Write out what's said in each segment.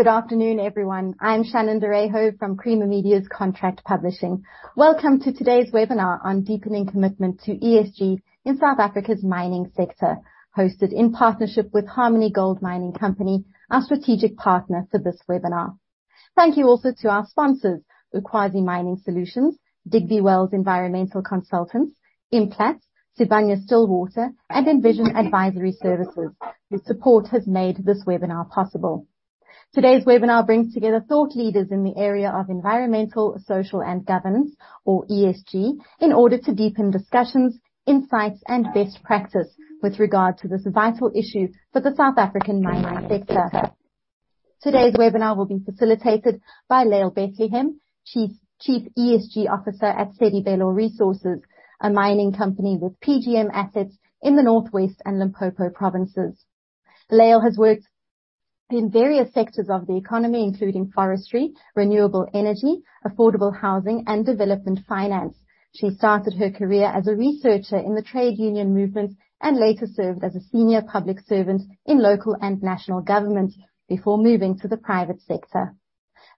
Good afternoon, everyone. I'm Shannon de Ryhove from Creamer Media's Contract Publishing. Welcome to today's webinar on Deepening Commitment to ESG in South Africa's Mining Sector, hosted in partnership with Harmony Gold Mining Company, our strategic partner for this webinar. Thank you also to our sponsors, Ukwazi Mining Solutions, Digby Wells Environmental Consultants, Implats, Sibanye-Stillwater, and Envision Advisory Services. Your support has made this webinar possible. Today's webinar brings together Thought Leaders in the area of environmental, social, and governance, or ESG, in order to deepen discussions, insights, and best practice with regard to this vital issue for the South African mining sector. Today's webinar will be facilitated by Lael Bethlehem, Chief ESG Officer at Sedibelo Resources, a mining company with PGM Assets in the North West and Limpopo Provinces. Lael has worked in various sectors of the economy, including forestry, renewable energy, affordable housing, and development finance. She started her career as a Researcher in the Trade Union Movement and later served as a Senior Public Servant in Local and National Governments before moving to the Private Sector.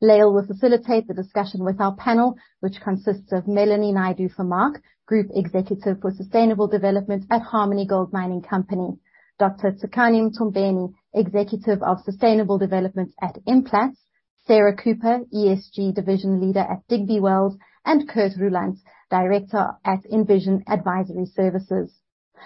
Lael will facilitate the discussion with our panel, which consists of Melanie Naidoo-Vermaak, Group Executive for Sustainable Development at Harmony Gold Mining Company, Dr. Tsakani Mthombeni, Executive of Sustainable Development at Implats, Sarah Crombie, ESG Division Leader at Digby Wells, and Kurt Roelandt, Director at Envision Advisory Services.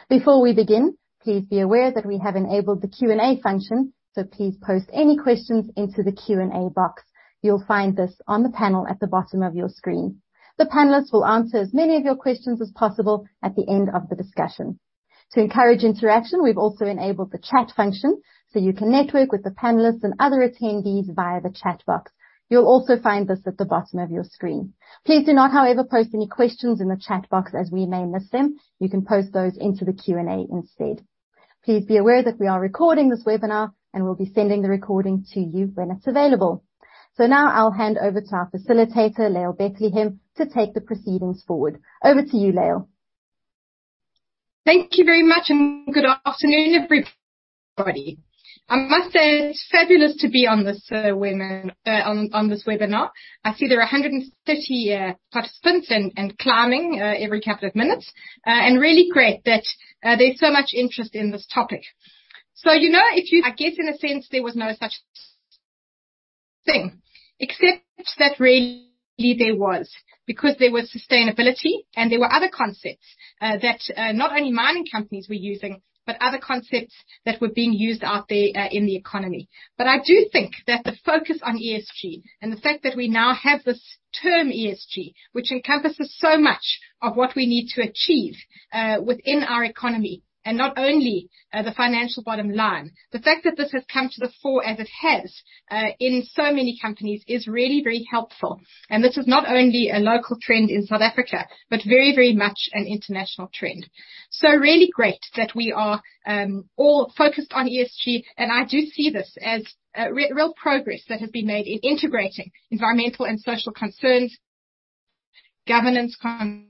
Before we begin, please be aware that we have enabled the Q&A function, so please post any questions into the Q&A box. You'll find this on the panel at the bottom of your screen. The panelists will answer as many of your questions as possible at the end of the discussion. To encourage interaction, we've also enabled the chat function, so you can network with the Panelists and other Attendees via the chat box. You'll also find this at the bottom of your screen. Please do not, however, post any questions in the chat box, as we may miss them. You can post those into the Q&A instead. Please be aware that we are recording this webinar, and we'll be sending the recording to you when it's available. Now I'll hand over to our Facilitator, Lael Bethlehem, to take the proceedings forward. Over to you, Lael. Thank you very much, and good afternoon, everybody. I must say, it's fabulous to be on this webinar. I see there are 130 participants and climbing every couple of minutes. Really great that there's so much interest in this topic. You know, I guess in a sense there was no such thing, except that really there was, because there was sustainability and there were other concepts that not only Mining Companies were using, but other concepts that were being used out there in the economy. I do think that the focus on ESG and the fact that we now have this term ESG, which encompasses so much of what we need to achieve within our economy, and not only the financial bottom line, the fact that this has come to the fore as it has in so many companies is really very helpful. This is not only a local trend in South Africa, but very, very much an International trend. Really great that we are all focused on ESG, and I do see this as real progress that has been made in Integrating Environmental and Social concerns, Governance concerns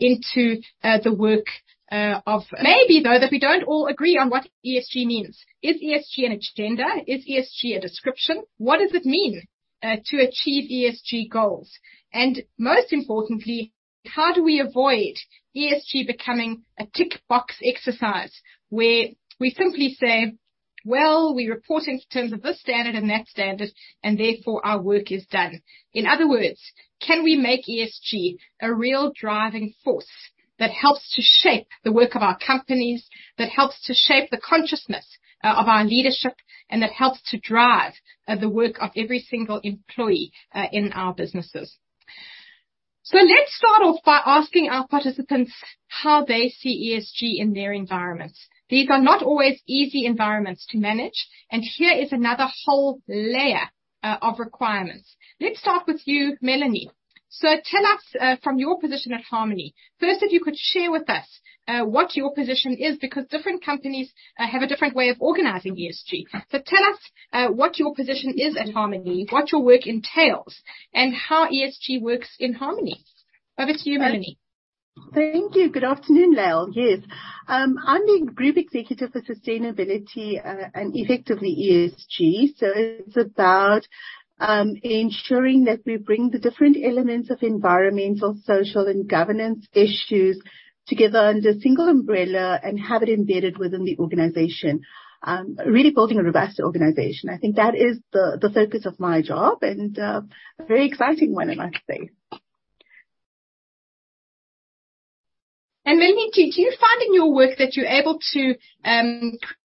into the work. Maybe, though, that we don't all agree on what ESG means. Is ESG an agenda? Is ESG a description? What does it mean to achieve ESG goals? Most importantly, how do we avoid ESG becoming a tick box exercise where we simply say, "Well, we report in terms of this standard and that standard, and therefore our work is done." In other words, can we make ESG a real driving force that helps to shape the work of our companies, that helps to shape the consciousness of our leadership, and that helps to drive the work of every single employee in our businesses. Let's start off by asking our participants how they see ESG in their environments. These are not always easy environments to manage, and here is another whole layer of requirements. Let's start with you, Melanie. Tell us from your position at Harmony, first, if you could share with us what your position is because different companies have a different way of organizing ESG. Tell us what your position is at Harmony, what your work entails, and how ESG works in Harmony. Over to you, Melanie. Thank you. Good afternoon, Lael. Yes. I'm the Group Executive for Sustainability, and Effectively ESG. It's about ensuring that we bring the different elements of Environmental, Social, and Governance issues together under a single umbrella and have it embedded within the organization. Really building a robust organization. I think that is the focus of my job and a very exciting one, I must say. Melanie, do you find in your work that you're able to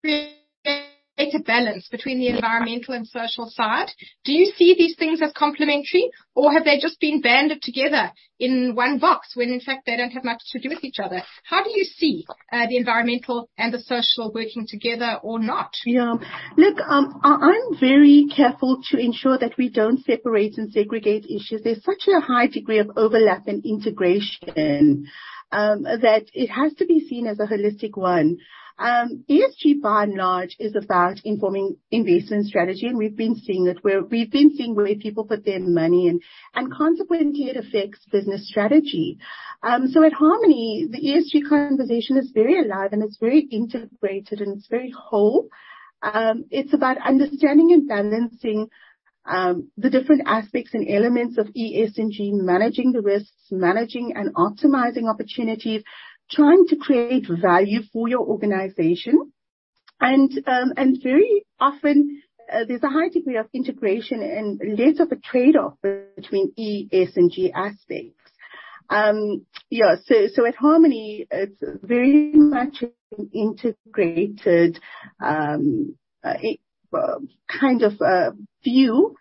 create a balance between the environmental and social side? Do you see these things as complementary, or have they just been banded together in one box when in fact they don't have much to do with each other? How do you see the environmental and the social working together or not? Yeah. Look, I'm very careful to ensure that we don't separate and segregate issues. There's such a high degree of overlap and integration that it has to be seen as a holistic one. ESG by and large is about informing investment strategy, and we've been seeing where people put their money and consequently it affects business strategy. At Harmony, the ESG conversation is very alive and it's very integrated and it's very whole. It's about understanding and balancing the different aspects and elements of ESG, managing the risks, managing and optimizing opportunities, trying to create value for your organization. Very often, there's a high degree of integration and less of a trade-off between E, S, and G aspects. So at Harmony, it's very much an integrated kind of a view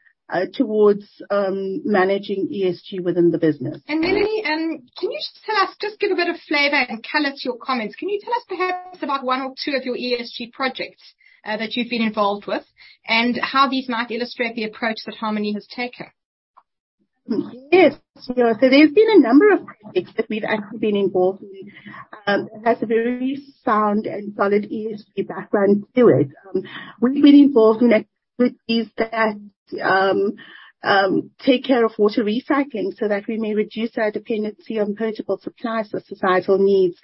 towards managing ESG within the business. Melanie, can you just tell us, just give a bit of flavor and color to your comments? Can you tell us perhaps about one or two of your ESG projects, that you've been involved with and how these might illustrate the approach that Harmony has taken? Yes. Yeah. There's been a number of projects that we've actually been involved in that has a very sound and solid ESG background to it. We've been involved in activities that take care of water recycling so that we may reduce our dependency on potable supplies for societal needs.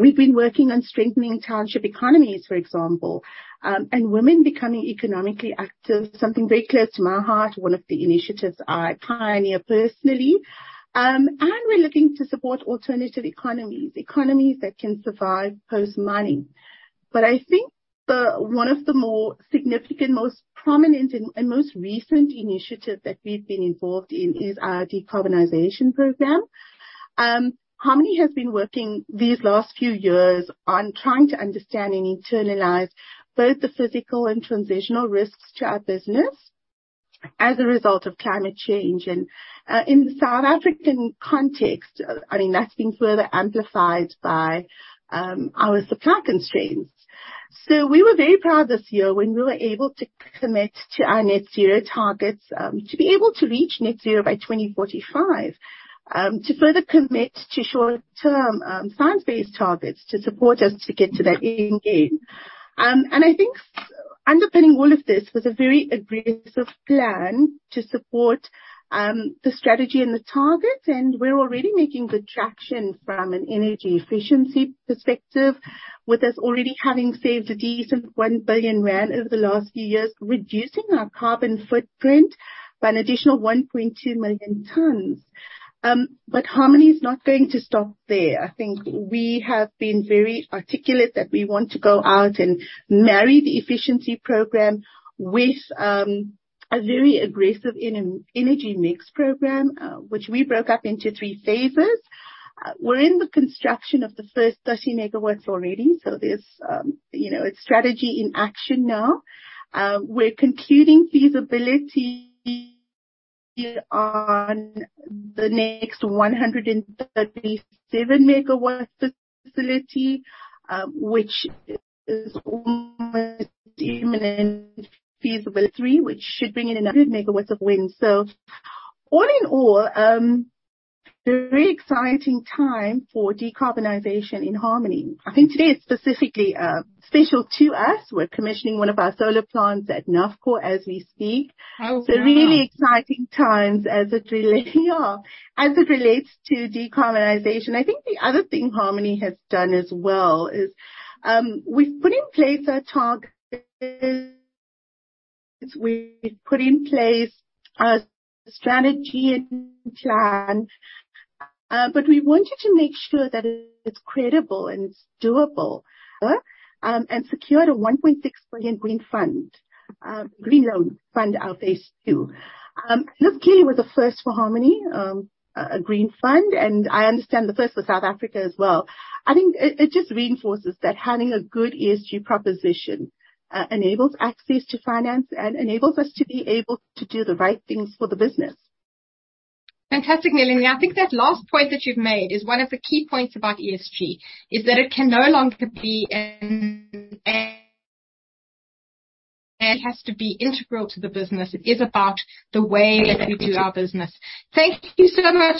We've been working on strengthening township economies, for example, and women becoming economically active, something very close to my heart, one of the initiatives I pioneer personally. We're looking to support alternative economies that can survive post-mining. I think the one of the more significant, most prominent, and most recent initiative that we've been involved in is our decarbonization Program. Harmony has been working these last few years on trying to understand and internalize both the physical and transitional risks to our business as a result of climate change. In the South African context, I mean, that's been further amplified by our supply constraints. We were very proud this year when we were able to commit to our net zero targets to be able to reach net zero by 2045 to further commit to short-term science-based targets to support us to get to that end game. I think underpinning all of this was a very aggressive plan to support the strategy and the target, and we're already making good traction from an energy efficiency perspective, with us already having saved a decent 1 billion rand over the last few years, reducing our carbon footprint by an additional 1.2 million tons. Harmony is not going to stop there. I think we have been very articulate that we want to go out and marry the efficiency program with a very aggressive energy mix program, which we broke up into three phases. We're in the construction of the first 30 MW already. There's, you know, it's strategy in action now. We're concluding feasibility on the next 137 MW facility, which is almost imminent feasibility, which should bring in another megawatts of wind. All in all, very exciting time for decarbonization in Harmony. I think today is specifically special to us. We're commissioning one of our solar plants at Kalgold as we speak. How wow. Really exciting times as it relates to decarbonization. I think the other thing Harmony has done as well is we've put in place our targets. We've put in place our strategy and plan, but we wanted to make sure that it's credible and it's doable, and secured a 1.6 billion green loan fund for our phase II. This clearly was a first for Harmony, a green fund, and I understand the first for South Africa as well. I think it just reinforces that having a good ESG proposition enables access to finance and enables us to be able to do the right things for the business. Fantastic, Melanie. I think that last point that you've made is one of the key points about ESG, is that it can no longer be an. It has to be integral to the business. It is about the way we do our business. Thank you so much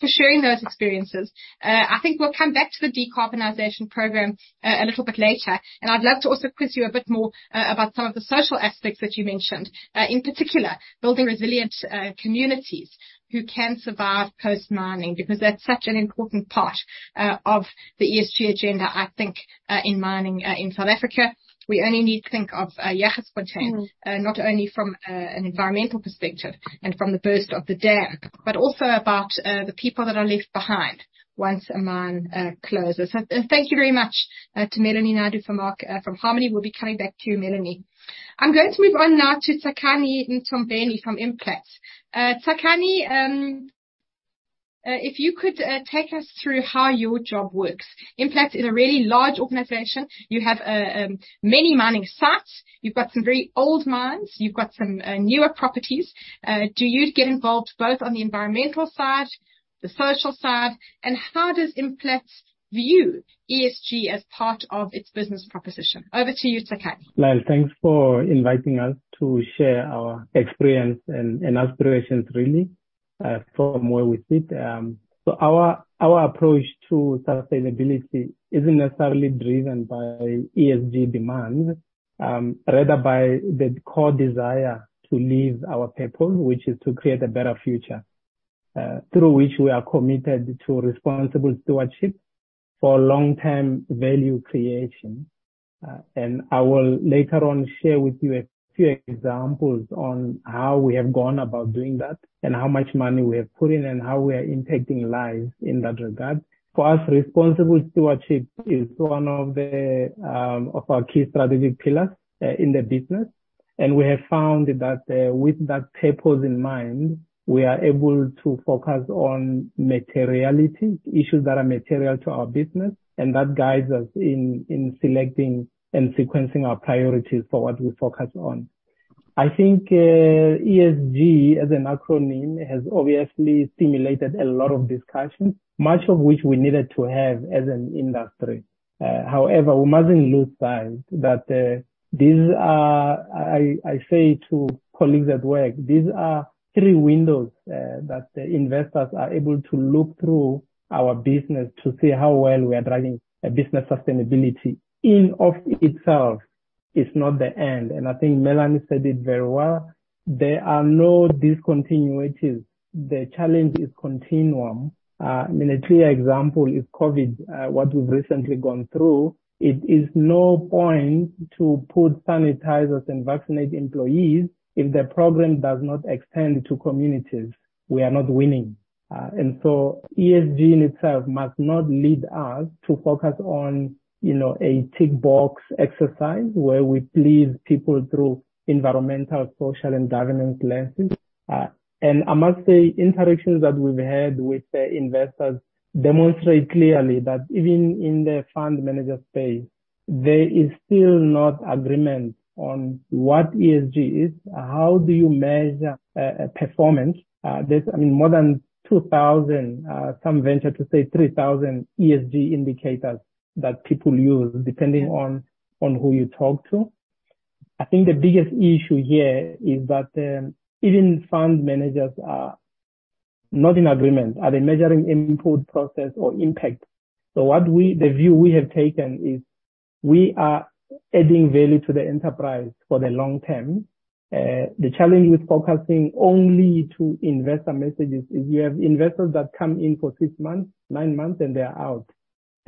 for sharing those experiences. I think we'll come back to the decarbonization program a little bit later. I'd love to also quiz you a bit more about some of the social aspects that you mentioned. In particular, building resilient communities who can survive post-mining, because that's such an important part of the ESG agenda, I think, in mining, in South Africa. We only need to think of Jagersfontein, not only from an environmental perspective and from the burst of the dam, but also about the people that are left behind once a mine closes. Thank you very much to Melanie Naidoo-Vermaak from Harmony. We'll be coming back to you, Melanie. I'm going to move on now to Tsakani Mthombeni from Implats. Tsakani, if you could take us through how your job works. Implats is a really large organization. You have many mining sites. You've got some very old mines, you've got some newer properties. Do you get involved both on the environmental side, the social side, and how does Implats view ESG as part of its business proposition? Over to you, Tsakani. Well, thanks for inviting us to share our experience and aspirations really, from where we sit. Our approach to sustainability isn't necessarily driven by ESG demands, rather by the core desire to leave our people, which is to create a better future, through which we are committed to responsible stewardship for long-term value creation. I will later on share with you a few examples on how we have gone about doing that and how much money we have put in and how we are impacting lives in that regard. For us, responsible stewardship is one of our key strategic pillars in the business. We have found that, with that purpose in mind, we are able to focus on materiality, issues that are material to our business. That guides us in selecting and sequencing our priorities for what we focus on. I think, ESG as an acronym has obviously stimulated a lot of discussion, much of which we needed to have as an industry. However, we mustn't lose sight that these are three windows that investors are able to look through our business to see how well we are driving business sustainability. In and of itself is not the end, and I think Melanie said it very well. There are no discontinuities. The challenge is continuum. I mean, a clear example is COVID, what we've recently gone through. It is no point to put sanitizers and vaccinate employees if the program does not extend to communities. We are not winning. ESG in itself must not lead us to focus on, you know, a tick box exercise where we please people through environmental, social and governance lenses. I must say, interactions that we've had with the investors demonstrate clearly that even in the fund manager space, there is still no agreement on what ESG is. How do you measure performance? There's, I mean, more than 2,000, some venture to say 3,000 ESG indicators that people use depending on who you talk to. I think the biggest issue here is that even fund managers are not in agreement. Are they measuring input, process or impact? The view we have taken is we are adding value to the enterprise for the long term. The challenge with focusing only on investor messages is you have investors that come in for six months, nine months, and they are out.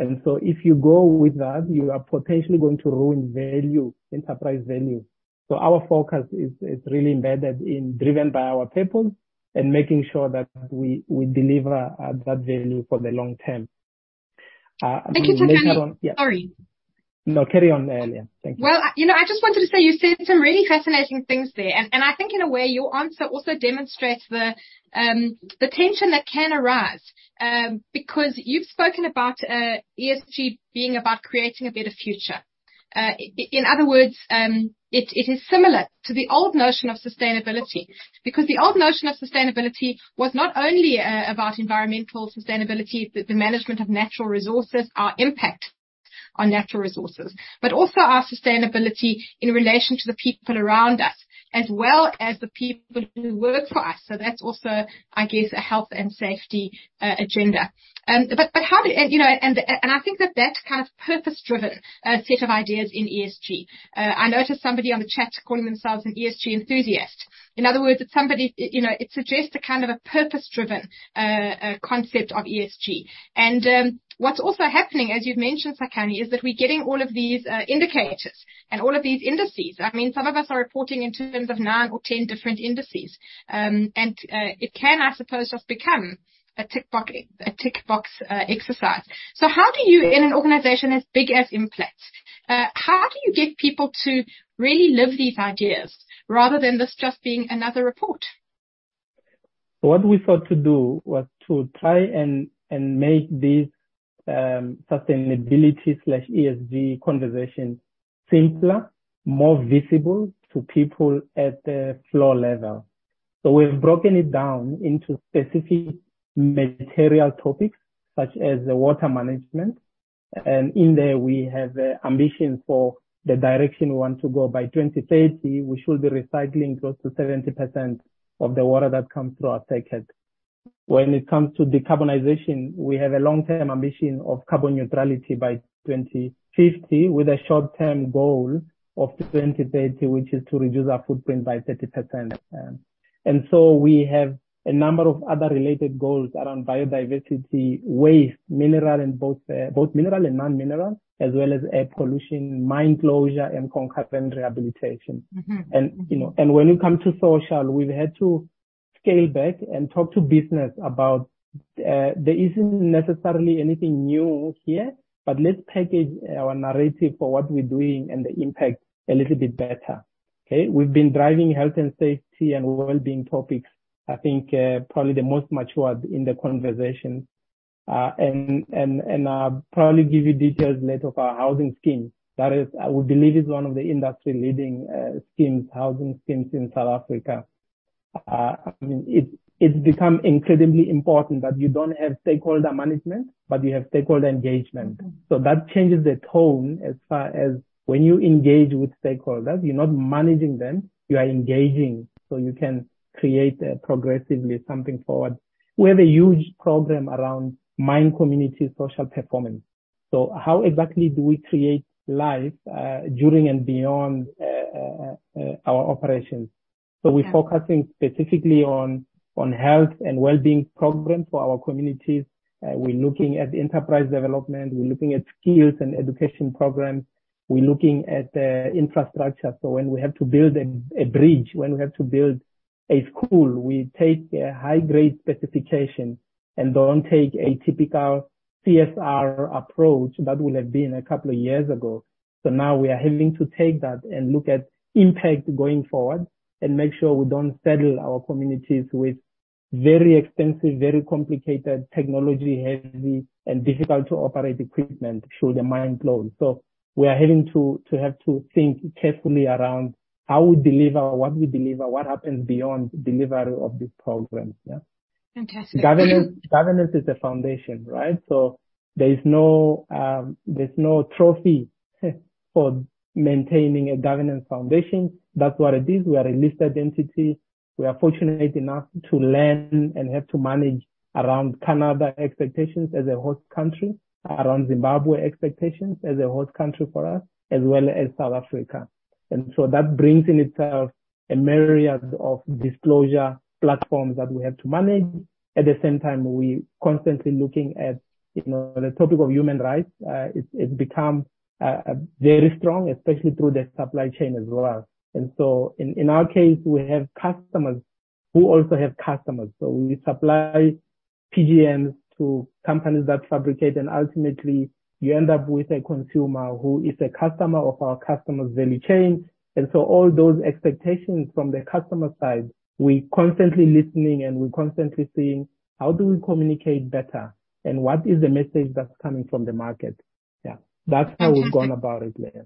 If you go with that, you are potentially going to ruin value, enterprise value. Our focus is really embedded and driven by our people and making sure that we deliver that value for the long term. Thank you so much. Sorry. No, carry on, Lael. Thank you. Well, you know, I just wanted to say you said some really fascinating things there. I think in a way, your answer also demonstrates the tension that can arise, because you've spoken about ESG being about creating a better future. In other words, it is similar to the old notion of sustainability, because the old notion of sustainability was not only about environmental sustainability, the management of natural resources, our impact on natural resources, but also our sustainability in relation to the people around us, as well as the people who work for us. That's also, I guess, a health and safety agenda. I think that's kind of purpose-driven set of ideas in ESG. I noticed somebody on the chat calling themselves an ESG enthusiast. In other words, it's somebody. You know, it suggests a kind of a purpose-driven concept of ESG. What's also happening, as you've mentioned, Tsakani, is that we're getting all of these indicators and all of these indices. I mean, some of us are reporting in terms of nine or 10 different indices. It can, I suppose, just become a tick box exercise. How do you, in an organization as big as Impala, get people to really live these ideas rather than this just being another report? What we sought to do was to try and make these sustainability/ESG conversations simpler, more visible to people at the floor level. We've broken it down into specific material topics such as water management. In there we have an ambition for the direction we want to go. By 2030, we should be recycling close to 70% of the water that comes through our uncertain. When it comes to decarbonization, we have a long-term ambition of carbon neutrality by 2050, with a short-term goal of 2030, which is to reduce our footprint by 30%. We have a number of other related goals around biodiversity, waste, mineral, and both mineral and non-mineral, as well as air pollution, mine closure and concurrent rehabilitation. Mm-hmm. You know, and when it comes to social, we've had to scale back and talk to business about, there isn't necessarily anything new here, but let's package our narrative for what we're doing and the impact a little bit better. Okay. We've been driving health and safety and wellbeing topics, I think, probably the most matured in the conversation. And I'll probably give you details later of our housing scheme. That is, I would believe is one of the industry-leading, schemes, housing schemes in South Africa. I mean, it's become incredibly important that you don't have stakeholder management, but you have stakeholder engagement. Mm-hmm. That changes the tone as far as when you engage with stakeholders. You're not managing them. You are engaging, so you can create progressively something forward. We have a huge program around mine community social performance. How exactly do we create livelihoods during and beyond our operations? Okay. We're focusing specifically on health and wellbeing programs for our communities. We're looking at enterprise development. We're looking at skills and education programs. We're looking at infrastructure. When we have to build a bridge, when we have to build a school, we'll take a high-grade specification and not take a typical CSR approach that would have been a couple of years ago. Now we are having to take that and look at impact going forward and make sure we don't saddle our communities with very expensive, very complicated technology, heavy and difficult to operate equipment through the mine closure. We are having to think carefully around how we deliver, what we deliver, what happens beyond delivery of these programs. Yeah. Fantastic. Governance is the foundation, right? There's no trophy for maintaining a governance foundation. That's what it is. We are a listed entity. We are fortunate enough to learn and have to manage around Canada expectations as a host country, around Zimbabwe expectations as a host country for us, as well as South Africa. That brings in itself a myriad of disclosure platforms that we have to manage. At the same time, we constantly looking at, you know, the topic of human rights. It's become very strong, especially through the supply chain as well. In our case, we have customers who also have customers. We supply PGM to companies that fabricate and ultimately you end up with a consumer who is a customer of our customer's value chain. All those expectations from the customer side, we constantly listening and we constantly seeing how do we communicate better and what is the message that's coming from the market. Yeah. Fantastic. That's how we've gone about it. Yeah.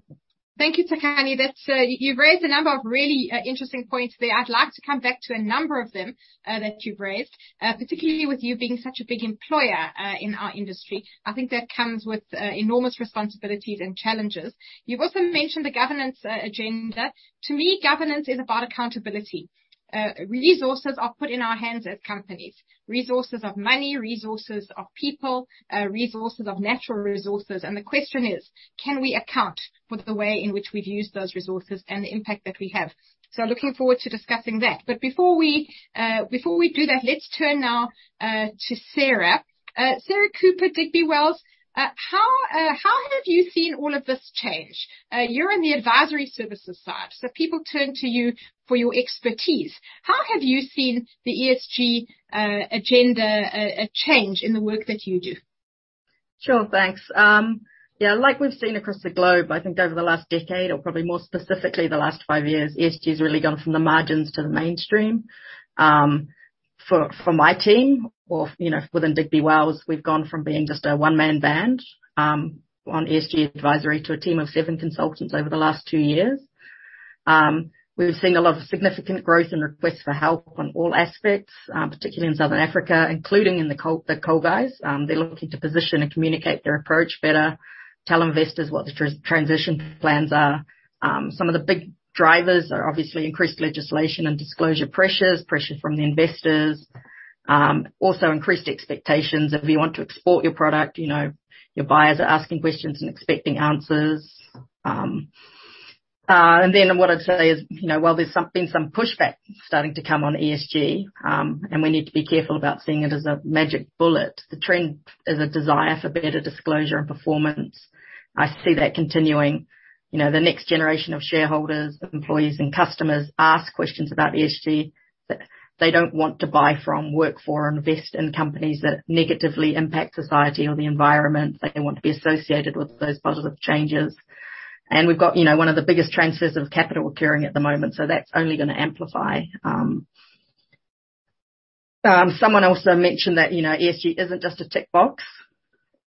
Thank you, Tsakani. That's you've raised a number of really interesting points there. I'd like to come back to a number of them that you've raised, particularly with you being such a big employer in our industry. I think that comes with enormous responsibilities and challenges. You've also mentioned the governance agenda. To me, governance is about accountability. Resources are put in our hands as companies, resources of money, resources of people, resources of natural resources. The question is, can we account for the way in which we've used those resources and the impact that we have? Looking forward to discussing that. Before we do that, let's turn now to Sarah. Sarah Crombie, Digby Wells Environmental, how have you seen all of this change? You're in the advisory services side, so people turn to you for your expertise. How have you seen the ESG agenda change in the work that you do? Sure. Thanks. Yeah, like we've seen across the globe, I think over the last decade or probably more specifically the last five years, ESG has really gone from the margins to the mainstream. For my team or, you know, within Digby Wells, we've gone from being just a one-man band on ESG advisory to a team of seven consultants over the last two years. We've seen a lot of significant growth and requests for help on all aspects, particularly in Southern Africa, including in the coal guys. They're looking to position and communicate their approach better, tell investors what the transition plans are. Some of the big drivers are obviously increased legislation and disclosure pressures from the investors. Also increased expectations. If you want to export your product, you know, your buyers are asking questions and expecting answers. What I'd say is, you know, while there's been some pushback starting to come on ESG, and we need to be careful about seeing it as a magic bullet. The trend is a desire for better disclosure and performance. I see that continuing. You know, the next generation of shareholders, of employees and customers ask questions about ESG, that they don't want to buy from, work for, or invest in companies that negatively impact society or the environment. They want to be associated with those positive changes. We've got, you know, one of the biggest transfers of capital occurring at the moment, so that's only gonna amplify. Someone also mentioned that, you know, ESG isn't just a tick box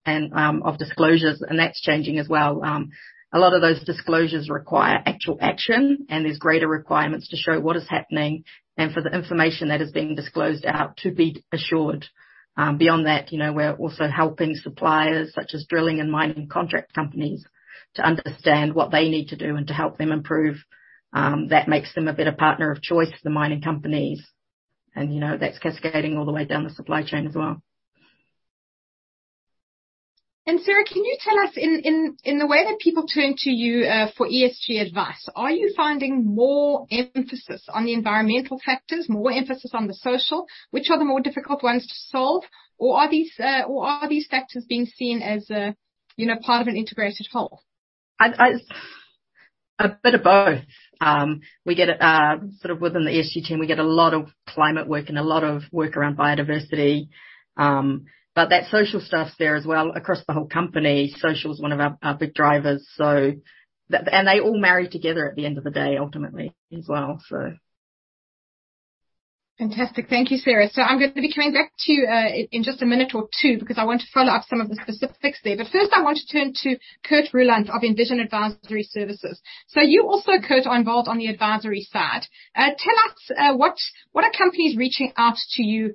and of disclosures, and that's changing as well. A lot of those disclosures require actual action, and there's greater requirements to show what is happening and for the information that is being disclosed out to be assured. Beyond that, you know, we're also helping suppliers such as drilling and mining contract companies to understand what they need to do and to help them improve. That makes them a better partner of choice for the Mining Companies. You know, that's cascading all the way down the supply chain as well. Sarah, can you tell us in the way that people turn to you for ESG advice, are you finding more emphasis on the environmental factors, more emphasis on the social? Which are the more difficult ones to solve? Or are these factors being seen as a, you know, part of an integrated whole? A bit of both. Sort of within the ESG team, we get a lot of climate work and a lot of work around biodiversity. That social stuff's there as well across the whole company. Social is one of our big drivers. They all marry together at the end of the day ultimately as well. Fantastic. Thank you, Sarah. I'm gonna be coming back to you in just a minute or two because I want to follow up some of the specifics there. First I want to turn to Kurt Roelandt of Envision Advisory Services. You also, Kurt, are involved on the advisory side. Tell us what are companies reaching out to you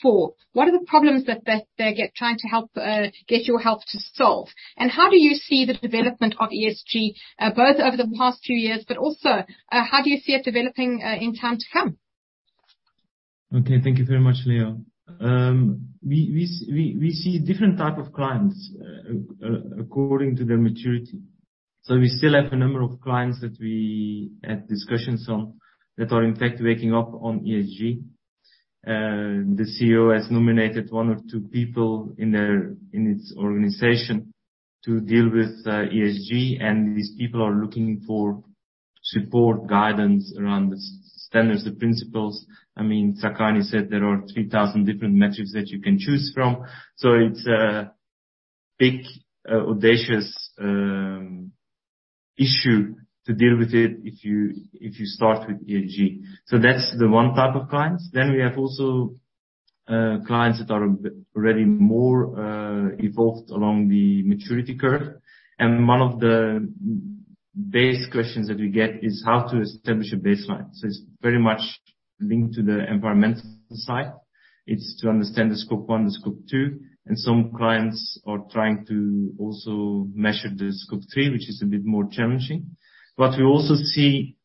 for? What are the problems that they're trying to get your help to solve? How do you see the development of ESG both over the past few years, but also how do you see it developing in time to come? Okay. Thank you very much, Lael. We see different type of clients according to their maturity. We still have a number of clients that we had discussions on that are in fact waking up on ESG. The CEO has nominated one or two people in its organization to deal with ESG, and these people are looking for support, guidance around the standards, the principles. I mean, Tsakani said there are 3,000 different metrics that you can choose from, so it's a big, audacious, issue to deal with it if you start with ESG. That's the one type of clients. We have also clients that are a bit, already more, evolved along the maturity curve. One of the most basic questions that we get is how to establish a baseline. It's very much linked to the environmental side. It's to understand the Scope 1, the Scope 2, and some clients are trying to also measure the Scope 3, which is a bit more challenging. What we also see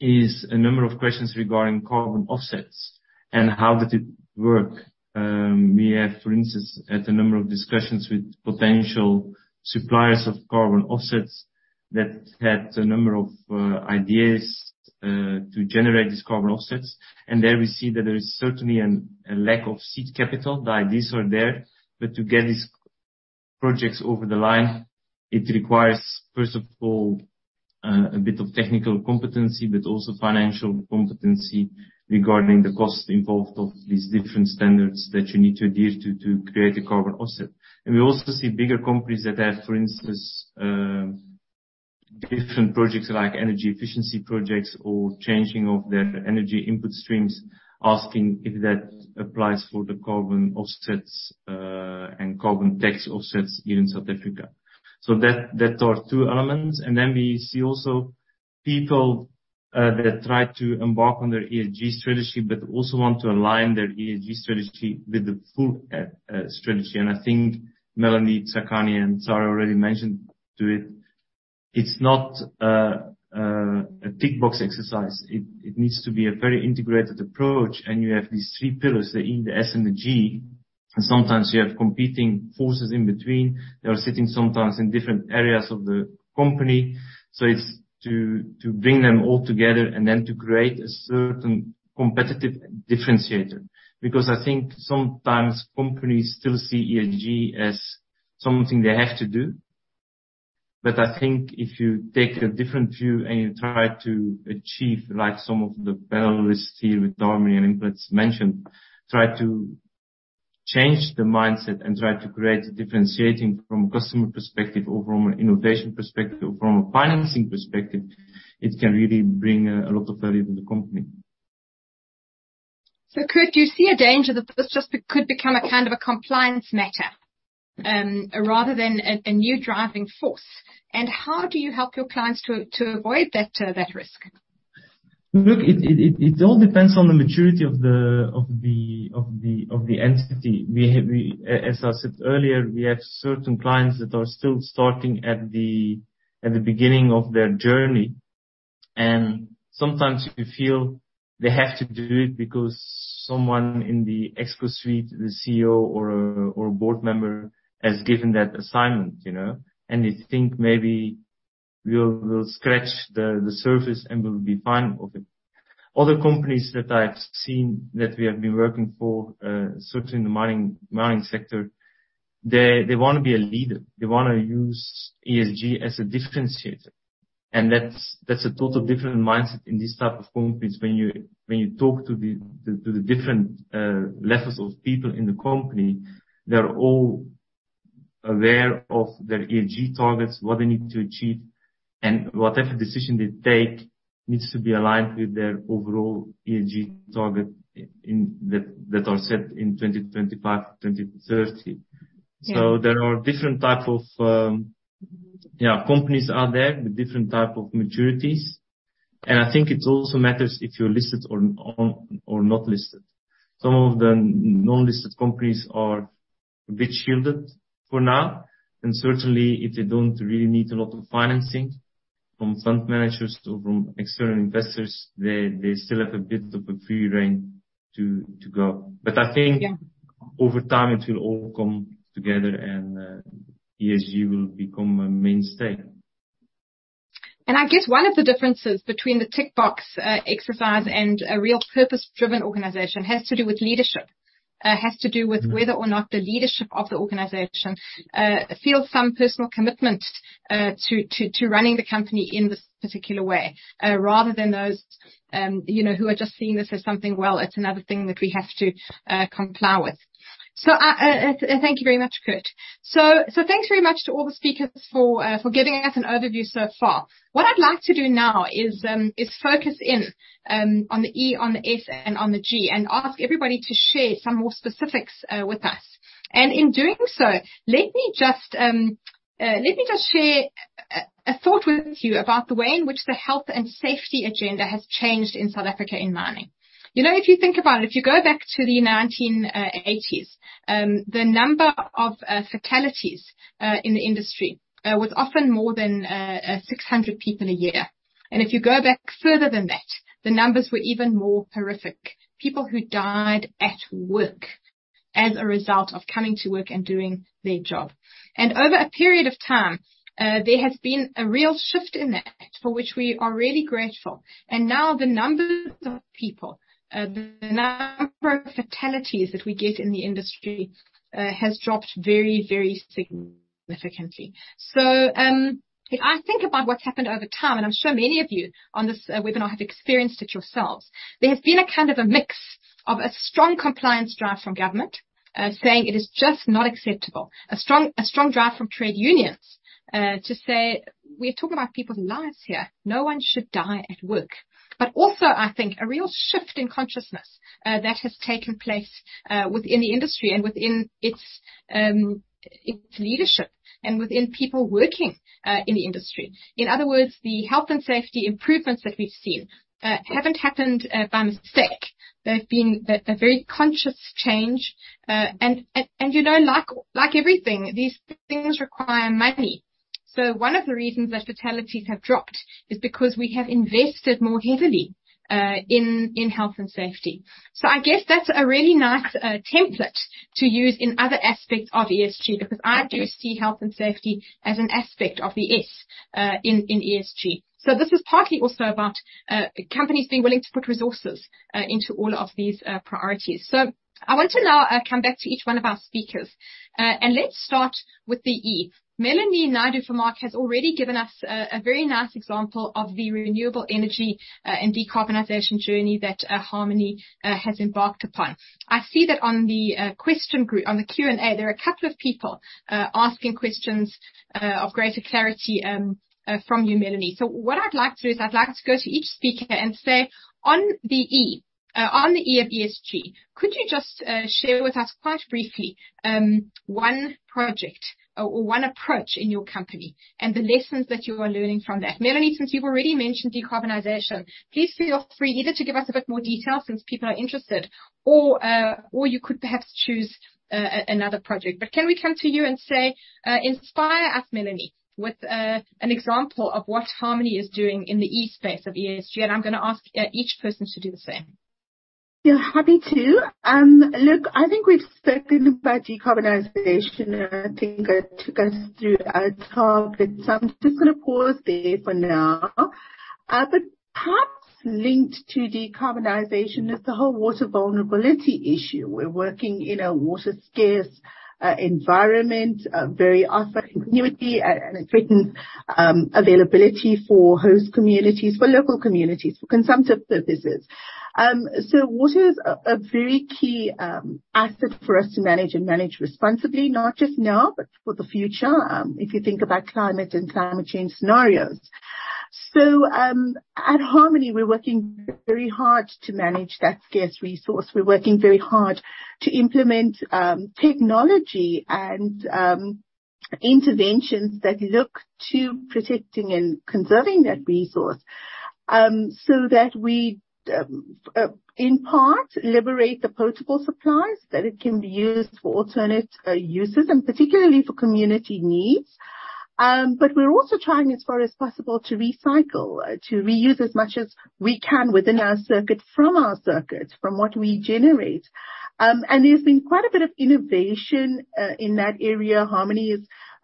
is a number of questions regarding carbon offsets and how does it work. We have, for instance, had a number of discussions with potential suppliers of carbon offsets that had a number of ideas to generate these carbon offsets. There we see that there is certainly a lack of seed capital. The ideas are there, but to get these projects over the line, it requires, first of all, a bit of technical competency, but also financial competency regarding the cost involved of these different standards that you need to adhere to create a carbon offset. We also see bigger companies that have, for instance, different projects like energy efficiency projects or changing of their energy input streams, asking if that applies for the carbon offsets and carbon tax offsets here in South Africa. That are two elements. We see also people that try to embark on their ESG strategy, but also want to align their ESG strategy with the full strategy. I think Melanie, Tsakani, and Sarah already mentioned to it's not a tick box exercise. It needs to be a very integrated approach. You have these three pillars, the E, the S, and the G, and sometimes you have competing forces in between. They are sitting sometimes in different areas of the company. It's to bring them all together and then to create a certain competitive differentiator. Because I think sometimes companies still see ESG as something they have to do. I think if you take a different view and you try to achieve, like some of the panelists here with Harmony and Implats mentioned, try to change the mindset and try to create differentiating from a customer perspective or from an innovation perspective or from a financing perspective, it can really bring a lot of value to the company. Kurt, do you see a danger that this just could become a kind of a compliance matter, rather than a new driving force? How do you help your clients to avoid that risk? Look, it all depends on the maturity of the entity. We have certain clients that are still starting at the beginning of their journey. Sometimes we feel they have to do it because someone in the C-suite, the CEO or a board member, has given that assignment, you know. They think maybe we'll scratch the surface and we'll be fine with it. Other companies that I've seen, that we have been working for, certainly in the mining sector, they wanna be a leader. They wanna use ESG as a differentiator. That's a total different mindset in these type of companies when you talk to the different levels of people in the company. They're all aware of their ESG targets, what they need to achieve, and whatever decision they take needs to be aligned with their overall ESG target that are set in 2025, 2030. Yeah. There are different type of companies out there with different type of maturities. I think it also matters if you're listed or not listed. Some of the non-listed companies are a bit shielded for now, and certainly if they don't really need a lot of financing from fund managers or from external investors, they still have a bit of a free rein to go. I think Yeah Over time, it will all come together and ESG will become a mainstay. I guess one of the differences between the tick box exercise and a real purpose-driven organization has to do with leadership. has to do with whether or not the leadership of the organization feels some personal commitment to running the company in this particular way rather than those you know who are just seeing this as something, "Well, it's another thing that we have to comply with." thank you very much, Kurt. thanks very much to all the speakers for giving us an overview so far. What I'd like to do now is focus in on the E, on the S, and on the G, and ask everybody to share some more specifics with us. In doing so, let me just share a thought with you about the way in which the health and safety agenda has changed in South Africa in mining. You know, if you think about it, if you go back to the 1980s, the number of fatalities in the industry was often more than 600 people a year. If you go back further than that, the numbers were even more horrific. People who died at work. As a result of coming to work and doing their job. Over a period of time, there has been a real shift in that for which we are really grateful. Now the number of fatalities that we get in the industry has dropped very, very significantly. If I think about what's happened over time, and I'm sure many of you on this webinar have experienced it yourselves, there has been a kind of a mix of a strong compliance drive from government, saying it is just not acceptable. A strong drive from trade unions to say, "We're talking about people's lives here. No one should die at work." Also, I think a real shift in consciousness that has taken place within the industry and within its leadership and within people working in the industry. In other words, the health and safety improvements that we've seen haven't happened by mistake. They've been a very conscious change. You know, like everything, these things require money. One of the reasons that fatalities have dropped is because we have invested more heavily in health and safety. I guess that's a really nice template to use in other aspects of ESG, because I do see health and safety as an aspect of the S in ESG. This is partly also about companies being willing to put resources into all of these priorities. I want to now come back to each one of our speakers. Let's start with the E. Melanie Naidoo-Vermaak has already given us a very nice example of the renewable energy and decarbonization journey that Harmony has embarked upon. I see that on the question group. On the Q&A, there are a couple of people asking questions of greater clarity from you, Melanie. What I'd like to do is I'd like to go to each speaker and say on the E of ESG, could you just share with us quite briefly, one project or one approach in your company and the lessons that you are learning from that? Melanie, since you've already mentioned decarbonization, please feel free either to give us a bit more detail since people are interested or you could perhaps choose another project. Can we come to you and say, inspire us, Melanie, with an example of what Harmony is doing in the E space of ESG. I'm gonna ask each person to do the same. Yeah, happy to. Look, I think we've spoken about decarbonization, and I think I took us through a talk, so I'm just gonna pause there for now. Perhaps linked to decarbonization is the whole water vulnerability issue. We're working in a water-scarce environment, very low continuity and a threatened availability for host communities, for local communities, for consumptive purposes. Water is a very key asset for us to manage responsibly, not just now, but for the future, if you think about climate and climate change scenarios. At Harmony, we're working very hard to manage that scarce resource. We're working very hard to implement technology and interventions that look to protecting and conserving that resource, so that we in part liberate the potable supplies, that it can be used for alternate uses and particularly for community needs. But we're also trying as far as possible to recycle to reuse as much as we can within our circuit from what we generate. And there's been quite a bit of innovation in that area. Harmony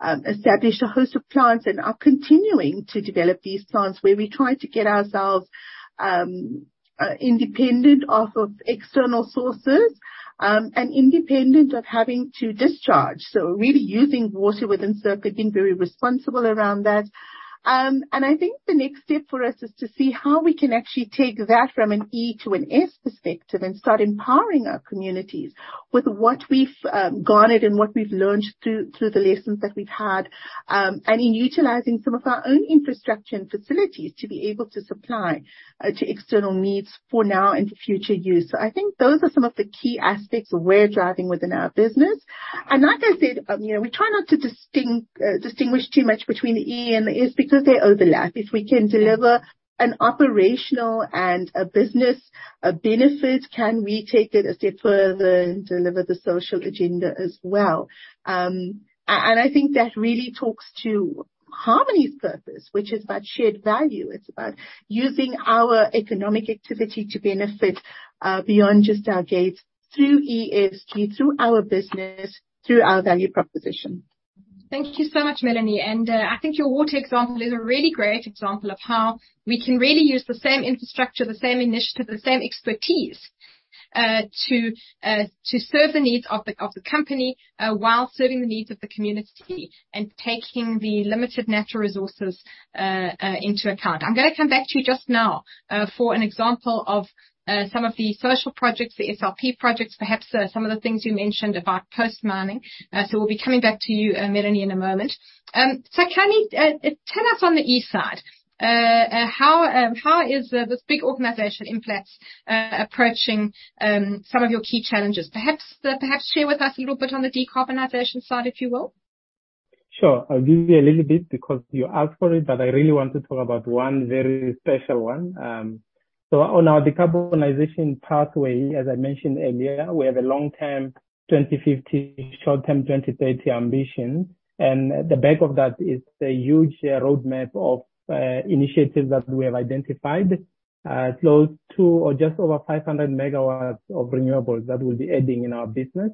has established a host of plants and are continuing to develop these plants, where we try to get ourselves independent off of external sources and independent of having to discharge. So we're really using water within circuit, being very responsible around that. I think the next step for us is to see how we can actually take that from an E to an S perspective and start empowering our communities with what we've garnered and what we've learned through the lessons that we've had, and in utilizing some of our own infrastructure and facilities to be able to supply to external needs for now and for future use. I think those are some of the key aspects we're driving within our business. Like I said, you know, we try not to distinguish too much between the E and the S because they overlap. If we can deliver an operational and a business, a benefit, can we take it a step further and deliver the social agenda as well? I think that really talks to Harmony's purpose, which is about shared value. It's about using our economic activity to benefit beyond just our gates through ESG, through our business, through our value proposition. Thank you so much, Melanie. I think your water example is a really great example of how we can really use the same infrastructure, the same initiative, the same expertise, to serve the needs of the company while serving the needs of the community and taking the limited natural resources into account. I'm gonna come back to you just now for an example of some of the social projects, the SRP projects, perhaps, some of the things you mentioned about post-mining. We'll be coming back to you, Melanie, in a moment. Kani, tell us on the E side how this big organization Implats is approaching some of your key challenges? Perhaps share with us a little bit on the decarbonization side, if you will. Sure. I'll give you a little bit because you asked for it, but I really want to talk about one very special one. On our decarbonization pathway, as I mentioned earlier, we have a long-term, 2050, short-term, 2030 ambition. At the back of that is a huge roadmap of initiatives that we have identified. Close to or just over 500 MW of renewables that we'll be adding in our business.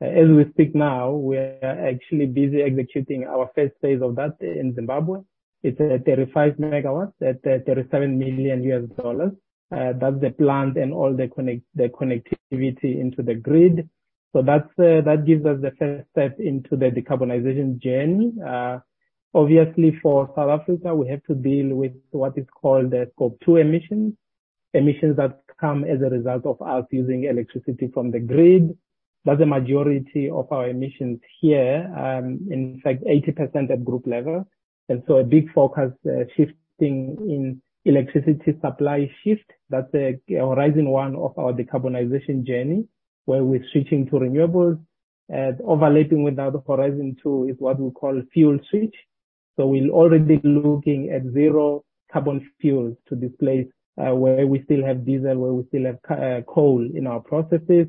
As we speak now, we are actually busy executing our first phase of that in Zimbabwe. It's 35 MW at $37 million. That's the plant and all the connectivity into the grid. That's that gives us the first step into the decarbonization journey. Obviously for South Africa, we have to deal with what is called the Scope 2 emissions. Emissions that come as a result of us using electricity from the grid. That's the majority of our emissions here, in fact 80% at group level. A big focus, shifting in electricity supply shift. That's horizon one of our decarbonization journey, where we're switching to renewables. Overlapping with our horizon two is what we call fuel switch. We're already looking at zero carbon fuels to displace, where we still have diesel, where we still have coal in our processes.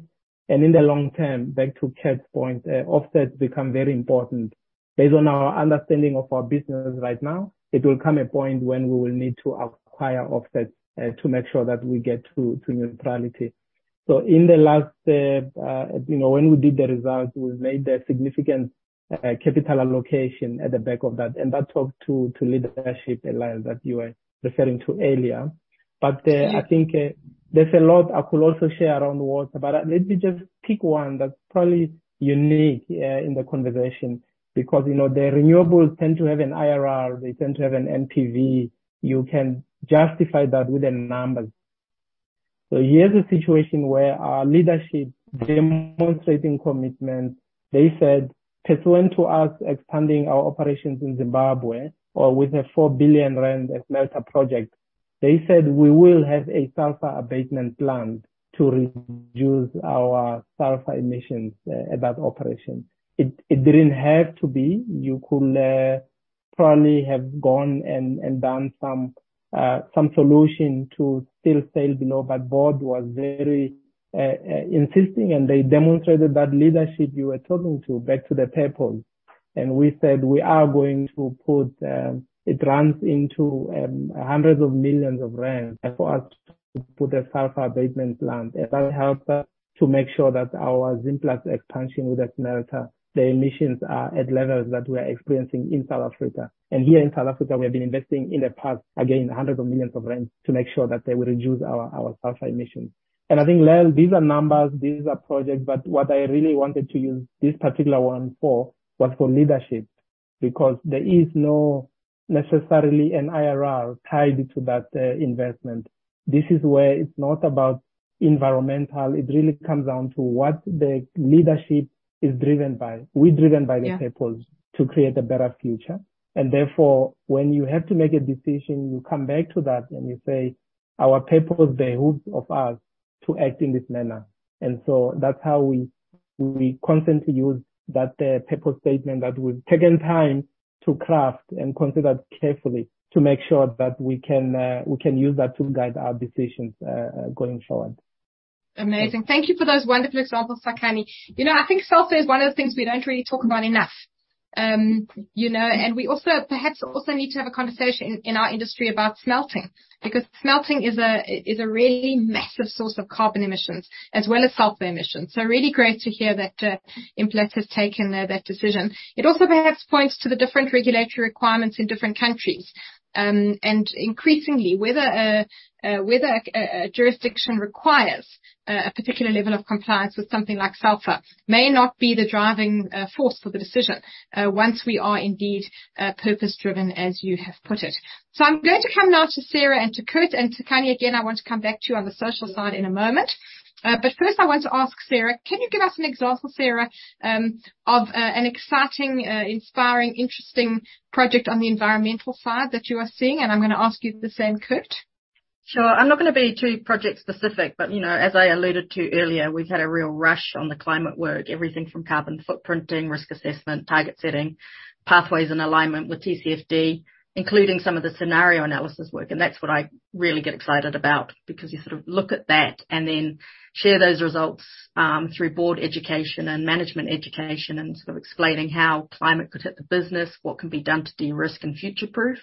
In the long term, back to Cat's point, offsets become very important. Based on our understanding of our business right now, it will come a point when we will need to acquire offsets, to make sure that we get to neutrality. In the last, when we did the results, we made a significant capital allocation at the back of that, and that talked to leadership, Lael, that you were referring to earlier. I think there's a lot I could also share around water, but let me just pick one that's probably unique in the conversation, because the renewables tend to have an IRR, they tend to have an NPV. You can justify that with the numbers. Here's a situation where our leadership demonstrating commitment. They said, pursuant to us expanding our operations in Zimbabwe for the 4 billion rand smelter project. They said we will have a sulfur abatement plant to reduce our sulfur emissions at that operation. It didn't have to be. You could probably have gone and done some solution to still sail below, but board was very insisting, and they demonstrated that leadership you were talking to back to the purpose. We said we are going to put it runs into hundreds of millions of ZAR for us to put a sulfur abatement plant. That helps us to make sure that our Zimplats expansion with the smelter, the emissions are at levels that we are experiencing in South Africa. Here in South Africa, we have been investing in the past, again, hundreds of millions of ZAR to make sure that they will reduce our sulfur emissions. I think, Lael, these are numbers, these are projects, but what I really wanted to use this particular one for was for leadership, because there is no necessarily an IRR tied to that, investment. This is where it's not about environmental. It really comes down to what the leadership is driven by. We're driven by- Yeah. The purpose to create a better future. Therefore, when you have to make a decision, you come back to that and you say, our purpose behoves us to act in this manner. That's how we constantly use that purpose statement that we've taken time to craft and considered carefully to make sure that we can use that to guide our decisions going forward. Amazing. Thank you for those wonderful examples, Tsakani. You know, I think sulfur is one of the things we don't really talk about enough. You know, we also perhaps need to have a conversation in our industry about smelting, because smelting is a really massive source of carbon emissions as well as sulfur emissions. Really great to hear that Implats has taken that decision. It also perhaps points to the different regulatory requirements in different countries, and increasingly whether a jurisdiction requires a particular level of compliance with something like sulfur may not be the driving force for the decision once we are indeed purpose-driven, as you have put it. I'm going to come now to Sarah and to Kurt. Tsakani, again, I want to come back to you on the social side in a moment. But first I want to ask Sarah, can you give us an example, Sarah, of an exciting, inspiring, interesting project on the environmental side that you are seeing? I'm gonna ask you the same, Kurt. Sure. I'm not gonna be too project specific, but you know, as I alluded to earlier, we've had a real rush on the climate work. Everything from carbon footprinting, risk assessment, target setting, pathways and alignment with TCFD, including some of the scenario analysis work. That's what I really get excited about because you sort of look at that and then share those results through board education and management education and sort of explaining how climate could hit the business, what can be done to de-risk and future-proof.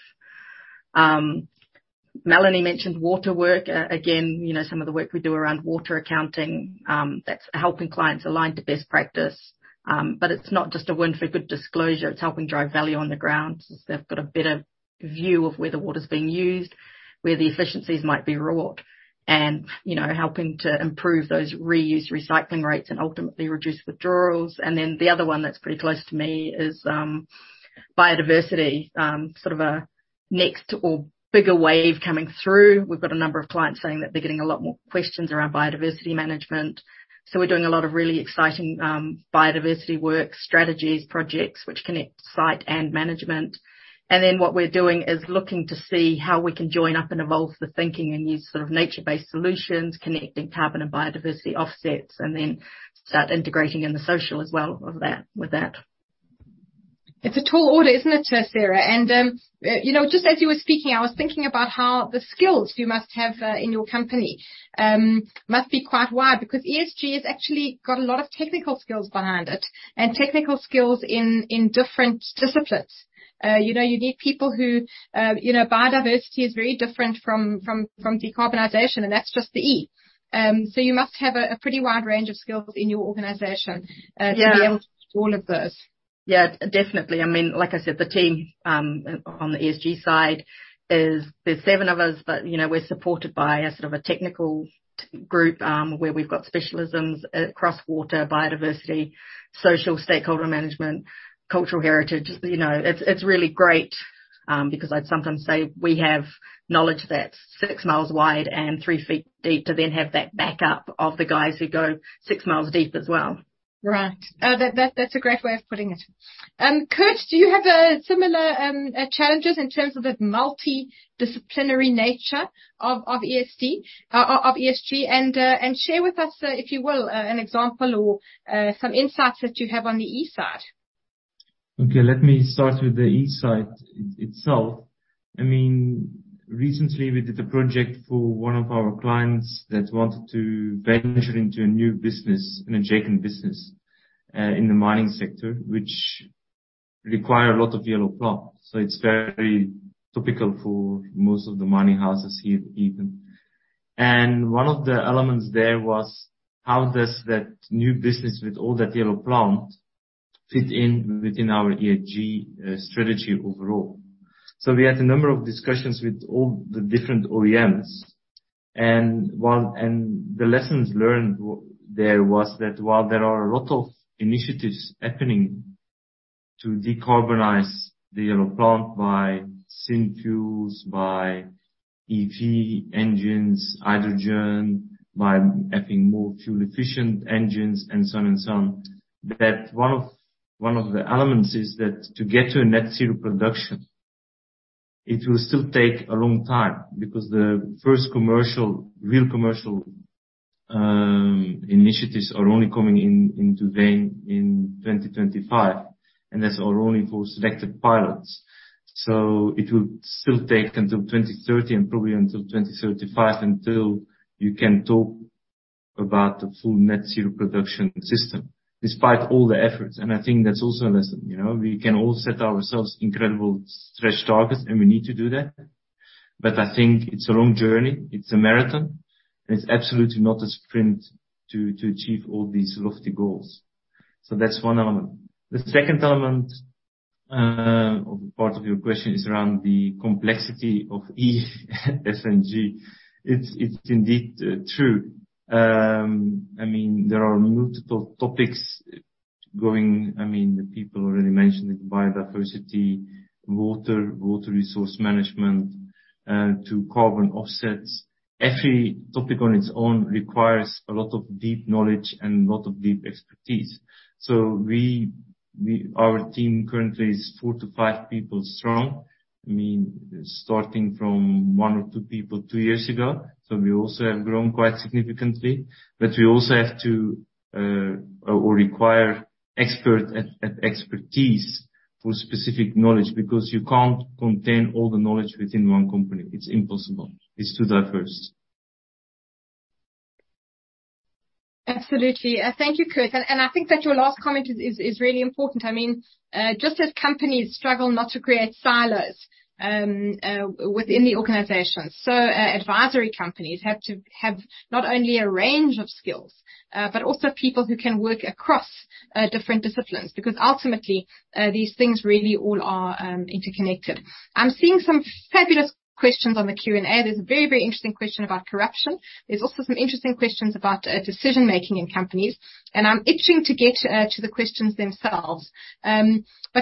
Melanie mentioned water work. Again, you know, some of the work we do around water accounting, that's helping clients align to best practice. It's not just a win for good disclosure, it's helping drive value on the ground since they've got a better view of where the water's being used, where the efficiencies might be wrought, and, you know, helping to improve those reuse recycling rates and ultimately reduce withdrawals. The other one that's pretty close to me is biodiversity. Sort of a next or bigger wave coming through. We've got a number of clients saying that they're getting a lot more questions around biodiversity management. We're doing a lot of really exciting biodiversity work, strategies, projects which connect site and management. What we're doing is looking to see how we can join up and evolve the thinking and use sort of nature-based solutions, connecting carbon and biodiversity offsets, and then start integrating in the social as well of that, with that. It's a tall order, isn't it, Sarah? You know, just as you were speaking, I was thinking about how the skills you must have in your company must be quite wide, because ESG has actually got a lot of technical skills behind it, and technical skills in different disciplines. You know, you need people who you know, biodiversity is very different from decarbonization, and that's just the E. You must have a pretty wide range of skills in your organization. Yeah. To be able to do all of this. Yeah, definitely. I mean, like I said, the team on the ESG side is. There's seven of us, but, you know, we're supported by a sort of a technical group, where we've got specialisms across water, biodiversity, social stakeholder management, cultural heritage. You know, it's really great, because I'd sometimes say we have knowledge that's six miles wide and three feet deep, to then have that backup of the guys who go six miles deep as well. Right. That's a great way of putting it. Kurt, do you have similar challenges in terms of the multidisciplinary nature of ESG? Share with us, if you will, an example or some insights that you have on the E side. Okay, let me start with the ESG side of it, itself. I mean, recently we did a project for one of our clients that wanted to venture into a new business, an adjacent business, in the mining sector, which require a lot of yellow plant. It's very typical for most of the mining houses here even. One of the elements there was. How does that new business with all that yellow plant fit in within our ESG strategy overall? We had a number of discussions with all the different OEMs. One of the lessons learned there was that while there are a lot of initiatives happening to decarbonize the yellow plant by synfuels, by EV engines, hydrogen, by having more fuel-efficient engines, and so on, one of the elements is that to get to a net zero production, it will still take a long time because the first commercial, real commercial, initiatives are only coming in in 2025, and that's only for selected pilots. It will still take until 2030 and probably until 2035 until you can talk about the full net zero production system, despite all the efforts. I think that's also a lesson, you know. We can all set ourselves incredible stretch targets, and we need to do that, but I think it's a long journey, it's a marathon, and it's absolutely not a sprint to achieve all these lofty goals. That's one element. The second element of part of your question is around the complexity of E, S, and G. It's indeed true. I mean, there are multiple topics going. I mean, the people already mentioned it, biodiversity, water resource management to carbon offsets. Every topic on its own requires a lot of deep knowledge and a lot of deep expertise. Our team currently is four to five people strong. I mean, starting from one or two people two years ago, so we also have grown quite significantly. We also have to require expertise for specific knowledge, because you can't contain all the knowledge within one company. It's impossible. It's too diverse. Absolutely. Thank you, Kurt. I think that your last comment is really important. I mean, just as companies struggle not to create silos within the organization, so advisory companies have to have not only a range of skills but also people who can work across different disciplines, because ultimately these things really all are interconnected. I'm seeing some fabulous questions on the Q&A. There's a very interesting question about corruption. There's also some interesting questions about decision-making in companies, and I'm itching to get to the questions themselves.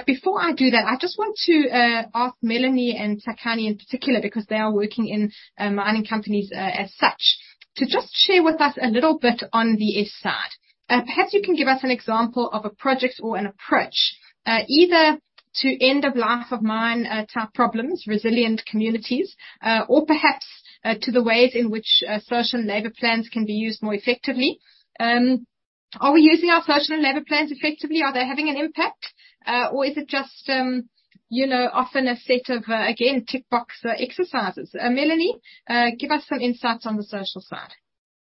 Before I do that, I just want to ask Melanie and Tsakani in particular, because they are working in Mining Companies as such, to just share with us a little bit on the S side. Perhaps you can give us an example of a project or an approach, either to end of life of mine type problems, resilient communities, or perhaps to the ways in which social and labor plans can be used more effectively. Are we using our social and labor plans effectively? Are they having an impact? Or is it just, you know, often a set of, again, tick box exercises? Melanie, give us some insights on the social side.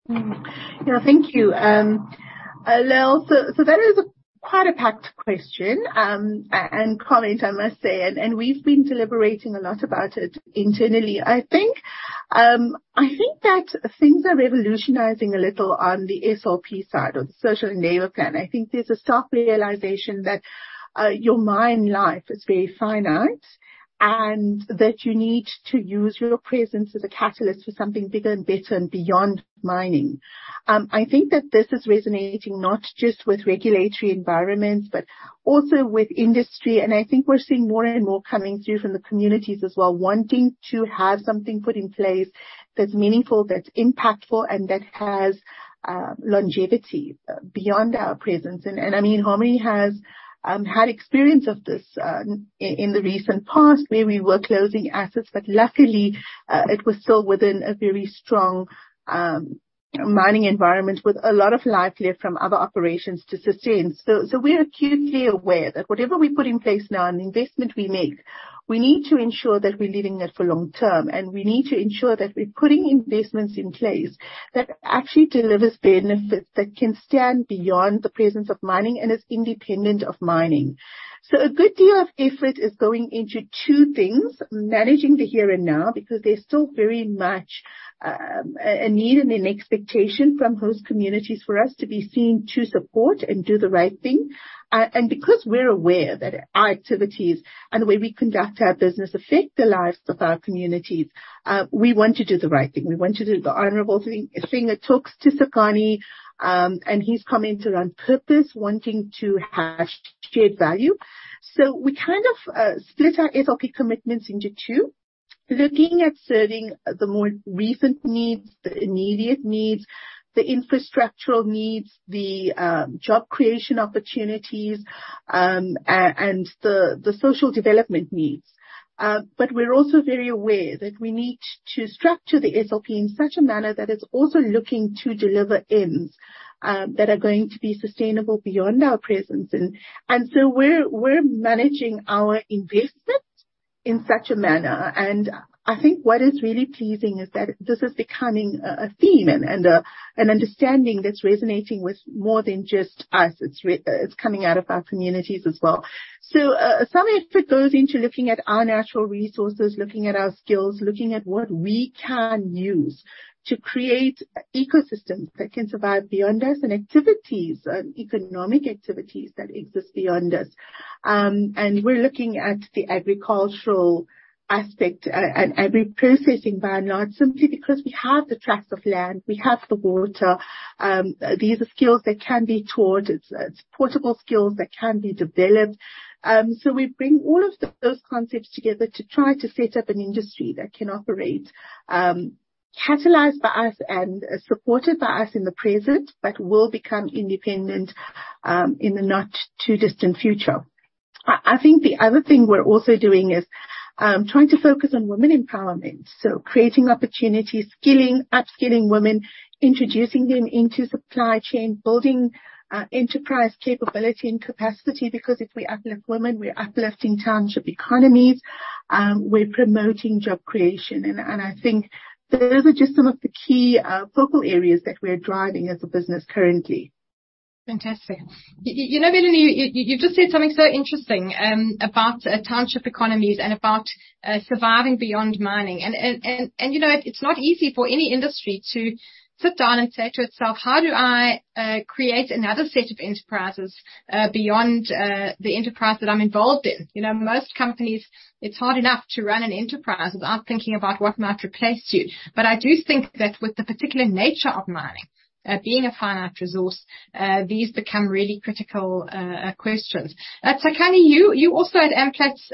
Yeah. Thank you, Lael. That is quite a packed question and comment, I must say, and we've been deliberating a lot about it internally. I think that things are revolutionizing a little on the SLP side, or the social labor plan. I think there's a stark realization that your mine life is very finite, and that you need to use your presence as a catalyst for something bigger and better and beyond mining. I think that this is resonating not just with regulatory environments, but also with industry, and I think we're seeing more and more coming through from the communities as well, wanting to have something put in place that's meaningful, that's impactful, and that has longevity beyond our presence. I mean, Harmony has had experience of this in the recent past where we were closing assets, but luckily it was still within a very strong mining environment with a lot of life left from other operations to sustain. We're acutely aware that whatever we put in place now and investment we make, we need to ensure that we're leaving it for long term, and we need to ensure that we're putting investments in place that actually delivers benefits that can stand beyond the presence of mining and is independent of mining. A good deal of effort is going into two things, managing the here and now, because there's still very much a need and an expectation from host communities for us to be seen to support and do the right thing. Because we're aware that our activities and the way we conduct our business affect the lives of our communities, we want to do the right thing. We want to do the honorable thing, it talks to Tsakani and his comments around purpose, wanting to have shared value. We kind of split our SLP commitments into two, looking at serving the more recent needs, the immediate needs, the infrastructural needs, the job creation opportunities, and the social development needs. We're also very aware that we need to structure the SLP in such a manner that it's also looking to deliver ends that are going to be sustainable beyond our presence. We're managing our investment in such a manner. I think what is really pleasing is that this is becoming a theme and an understanding that's resonating with more than just us. It's coming out of our communities as well. Some effort goes into looking at our natural resources, looking at our skills, looking at what we can use to create ecosystems that can survive beyond us, and activities, economic activities that exist beyond us. We're looking at the agricultural aspect, and agri-processing by and large, simply because we have the tracts of land, we have the water. These are skills that can be taught. It's portable skills that can be developed. We bring all of those concepts together to try to set up an industry that can operate, catalyzed by us and supported by us in the present, but will become independent in the not too distant future. I think the other thing we're also doing is trying to focus on women empowerment, so creating opportunities, skilling, upskilling women, introducing them into supply chain, building enterprise capability and capacity, because if we uplift women, we're uplifting township economies, we're promoting job creation. I think those are just some of the key focal areas that we're driving as a business currently. Fantastic. You know, Melanie, you've just said something so interesting about township economies and about surviving beyond mining. You know, it's not easy for any industry to sit down and say to itself, "How do I create another set of enterprises beyond the enterprise that I'm involved in?" You know, most companies, it's hard enough to run an enterprise without thinking about what might replace you. I do think that with the particular nature of mining, being a finite resource, these become really critical questions. Tsakani, you also at Amplats,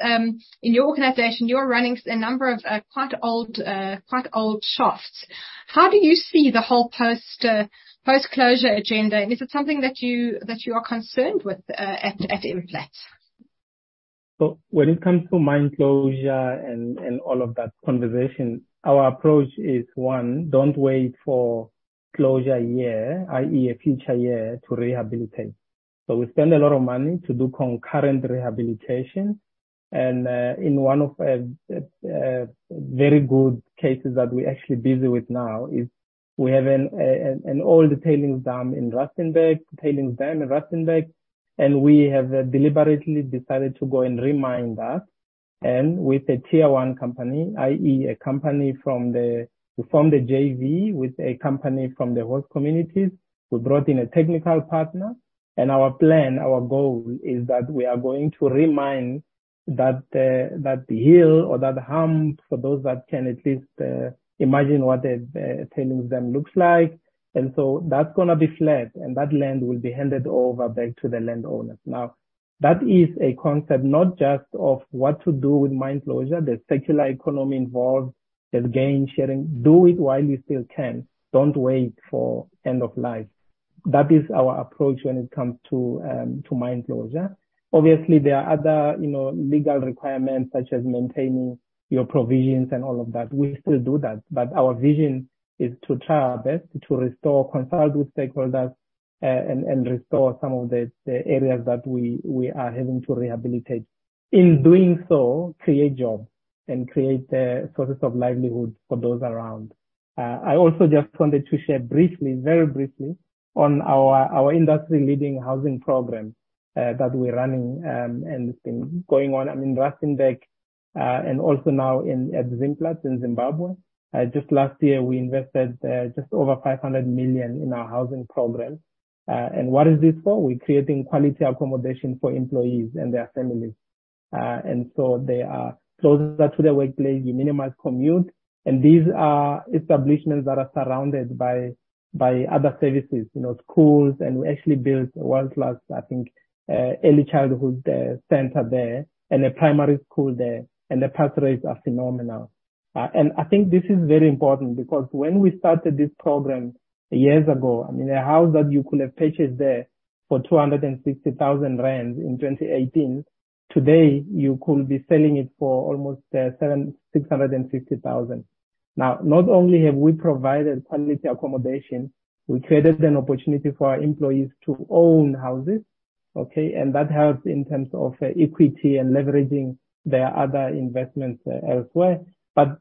in your organization, you're running a number of quite old shafts. How do you see the whole post-closure agenda? Is it something that you are concerned with at Amplats? When it comes to mine closure and all of that conversation, our approach is, one, don't wait for closure year, i.e., a future year, to rehabilitate. We spend a lot of money to do concurrent rehabilitation. In one of very good cases that we're actually busy with now is we have an old tailings dam in Rustenburg, and we have deliberately decided to go and re-mine that. With a Tier One company, i.e., a company from the host communities. We formed a JV with a company from the host communities. We brought in a technical partner. Our plan, our goal is that we are going to re-mine that hill or that hump, for those that can at least imagine what a tailings dam looks like. That's gonna be flat, and that land will be handed over back to the landowners. Now, that is a concept not just of what to do with mine closure. There's circular economy involved. There's gain sharing. Do it while you still can. Don't wait for end of life. That is our approach when it comes to to mine closure. Obviously, there are other, you know, legal requirements such as maintaining your provisions and all of that. We still do that, but our vision is to try our best to restore, consult with stakeholders, and restore some of the areas that we are having to rehabilitate. In doing so, create jobs and create sources of livelihood for those around. I also just wanted to share briefly, very briefly, on our industry-leading housing program that we're running, and it's been going on, I mean, Rustenburg, and also now at Zimplats in Zimbabwe. Just last year, we invested just over 500 million in our housing program. And what is this for? We're creating quality accommodation for employees and their families. And so they are closer to their workplace. You minimize commute. These are establishments that are surrounded by other services, you know, schools. We actually built a world-class, I think, early childhood center there and a primary school there. The pass rates are phenomenal. I think this is very important because when we started this program years ago, I mean, a house that you could have purchased there for 260,000 rand in 2018, today you could be selling it for almost 650,000. Now, not only have we provided quality accommodation, we created an opportunity for our employees to own houses, okay? That helps in terms of equity and leveraging their other investments elsewhere.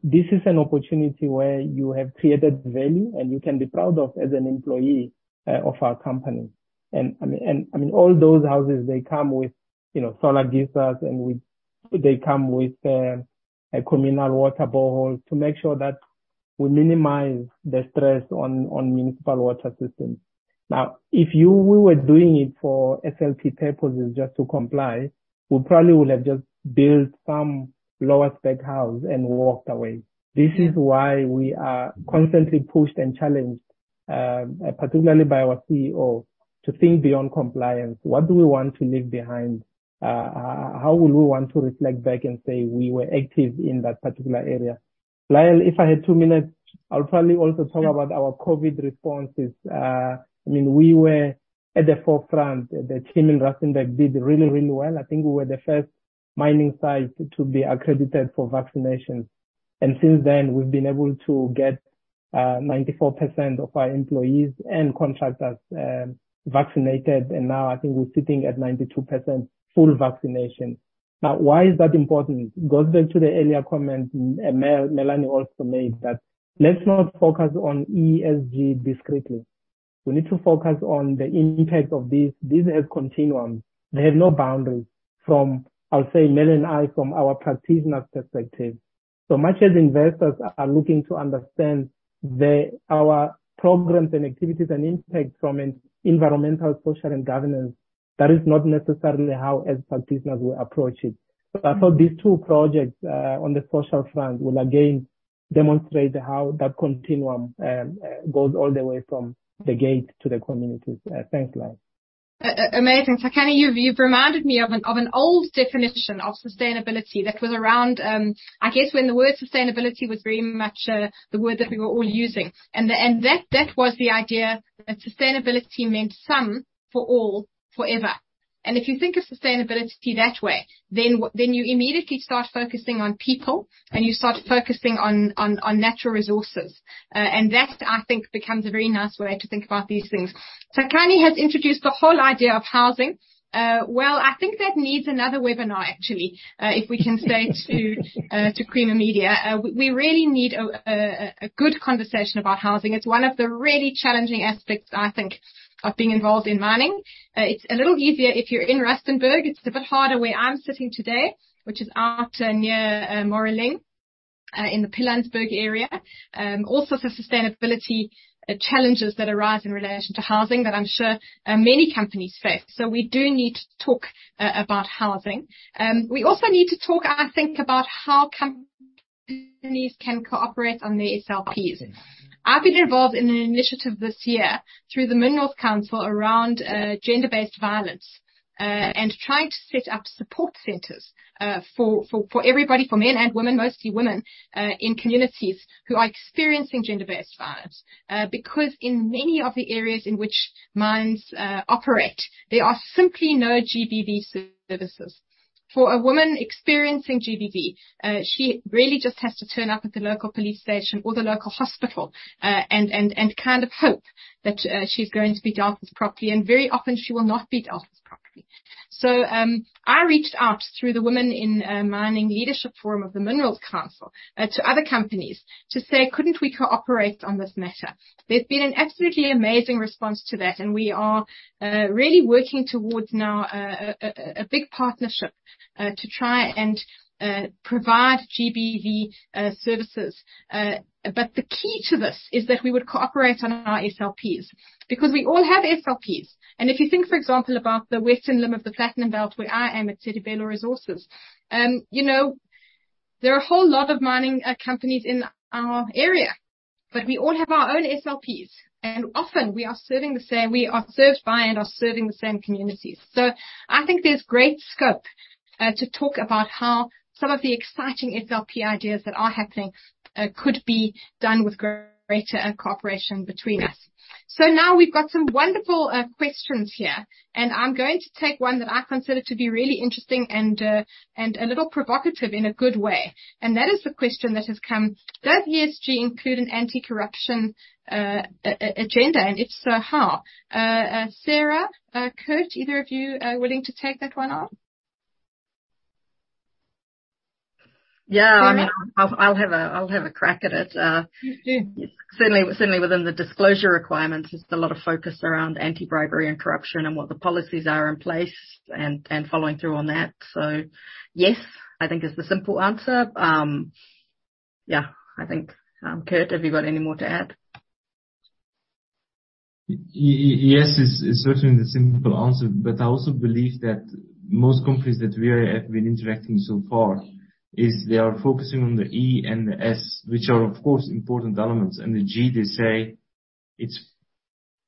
This is an opportunity where you have created value and you can be proud of as an employee of our company. I mean, all those houses, they come with, you know, solar geysers, and with. They come with a communal water borehole to make sure that we minimize the stress on municipal water systems. Now, we were doing it for SLP purposes just to comply, we probably would have just built some lower spec house and walked away. This is why we are constantly pushed and challenged, particularly by our CEO, to think beyond compliance. What do we want to leave behind? How will we want to reflect back and say we were active in that particular area? Lael, if I had two minutes, I'll probably also talk about our COVID responses. I mean, we were at the forefront. The team in Rustenburg did really well. I think we were the first mining site to be accredited for vaccinations. Since then, we've been able to get 94% of our employees and contractors vaccinated. Now I think we're sitting at 92% full vaccination. Now, why is that important? It goes back to the earlier comment Melanie also made, that let's not focus on ESG discretely. We need to focus on the impact of this. This is continuum. They have no boundaries from, I'll say, Mel and I, from our practitioners' perspective. So much as investors are looking to understand our programs and activities and impact from an environmental, social, and governance, that is not necessarily how, as practitioners, will approach it. So these two projects on the social front will again demonstrate how that continuum goes all the way from the gate to the communities. Thanks, Lael. Amazing. Tsakani, you've reminded me of an old definition of sustainability that was around, I guess, when the word sustainability was very much the word that we were all using. That was the idea that sustainability meant some for all forever. If you think of sustainability that way, you immediately start focusing on people, and you start focusing on natural resources. That, I think, becomes a very nice way to think about these things. Tsakani has introduced the whole idea of housing. Well, I think that needs another webinar, actually. If we can say to Creamer Media, we really need a good conversation about housing. It's one of the really challenging aspects, I think, of being involved in mining. It's a little easier if you're in Rustenburg. It's a bit harder where I'm sitting today, which is out near Moruleng in the Pilanesberg area. Also for sustainability challenges that arise in relation to housing that I'm sure many companies face. We do need to talk about housing. We also need to talk, I think, about how companies can cooperate on their SLPs. I've been involved in an initiative this year through the Minerals Council around gender-based violence and trying to set up support centers for everybody, for men and women, mostly women, in communities who are experiencing gender-based violence. Because in many of the areas in which mines operate, there are simply no GBV services. For a woman experiencing GBV, she really just has to turn up at the local police station or the local hospital, and kind of hope that, she's going to be dealt with properly, and very often she will not be dealt with properly. I reached out through the Women in Mining Leadership Forum of the Minerals Council to other companies to say, "Couldn't we cooperate on this matter?" There's been an absolutely amazing response to that, and we are really working towards now a big partnership to try and provide GBV services. The key to this is that we would cooperate on our SLPs, because we all have SLPs. If you think, for example, about the western limb of the platinum belt where I am at Sedibelo Resources, you know, there are a whole lot of Mining Companies in our area, but we all have our own SLPs, and often we are served by and are serving the same communities. I think there's great scope to talk about how some of the exciting SLP ideas that are happening could be done with greater cooperation between us. Now we've got some wonderful questions here, and I'm going to take one that I consider to be really interesting and a little provocative in a good way. That is the question that has come. Does ESG include an anti-corruption agenda, and if so, how? Sarah, Kurt, either of you are willing to take that one on? Yeah. Sarah. I mean, I'll have a crack at it. Mm-hmm. Certainly within the disclosure requirements, there's a lot of focus around anti-bribery and corruption and what the policies are in place and following through on that. Yes, I think is the simple answer. Yeah, I think, Kurt, have you got any more to add? Yes, it's certainly the simple answer, but I also believe that most companies that we have been interacting so far is they are focusing on the E and the S, which are, of course, important elements. The G, they say it's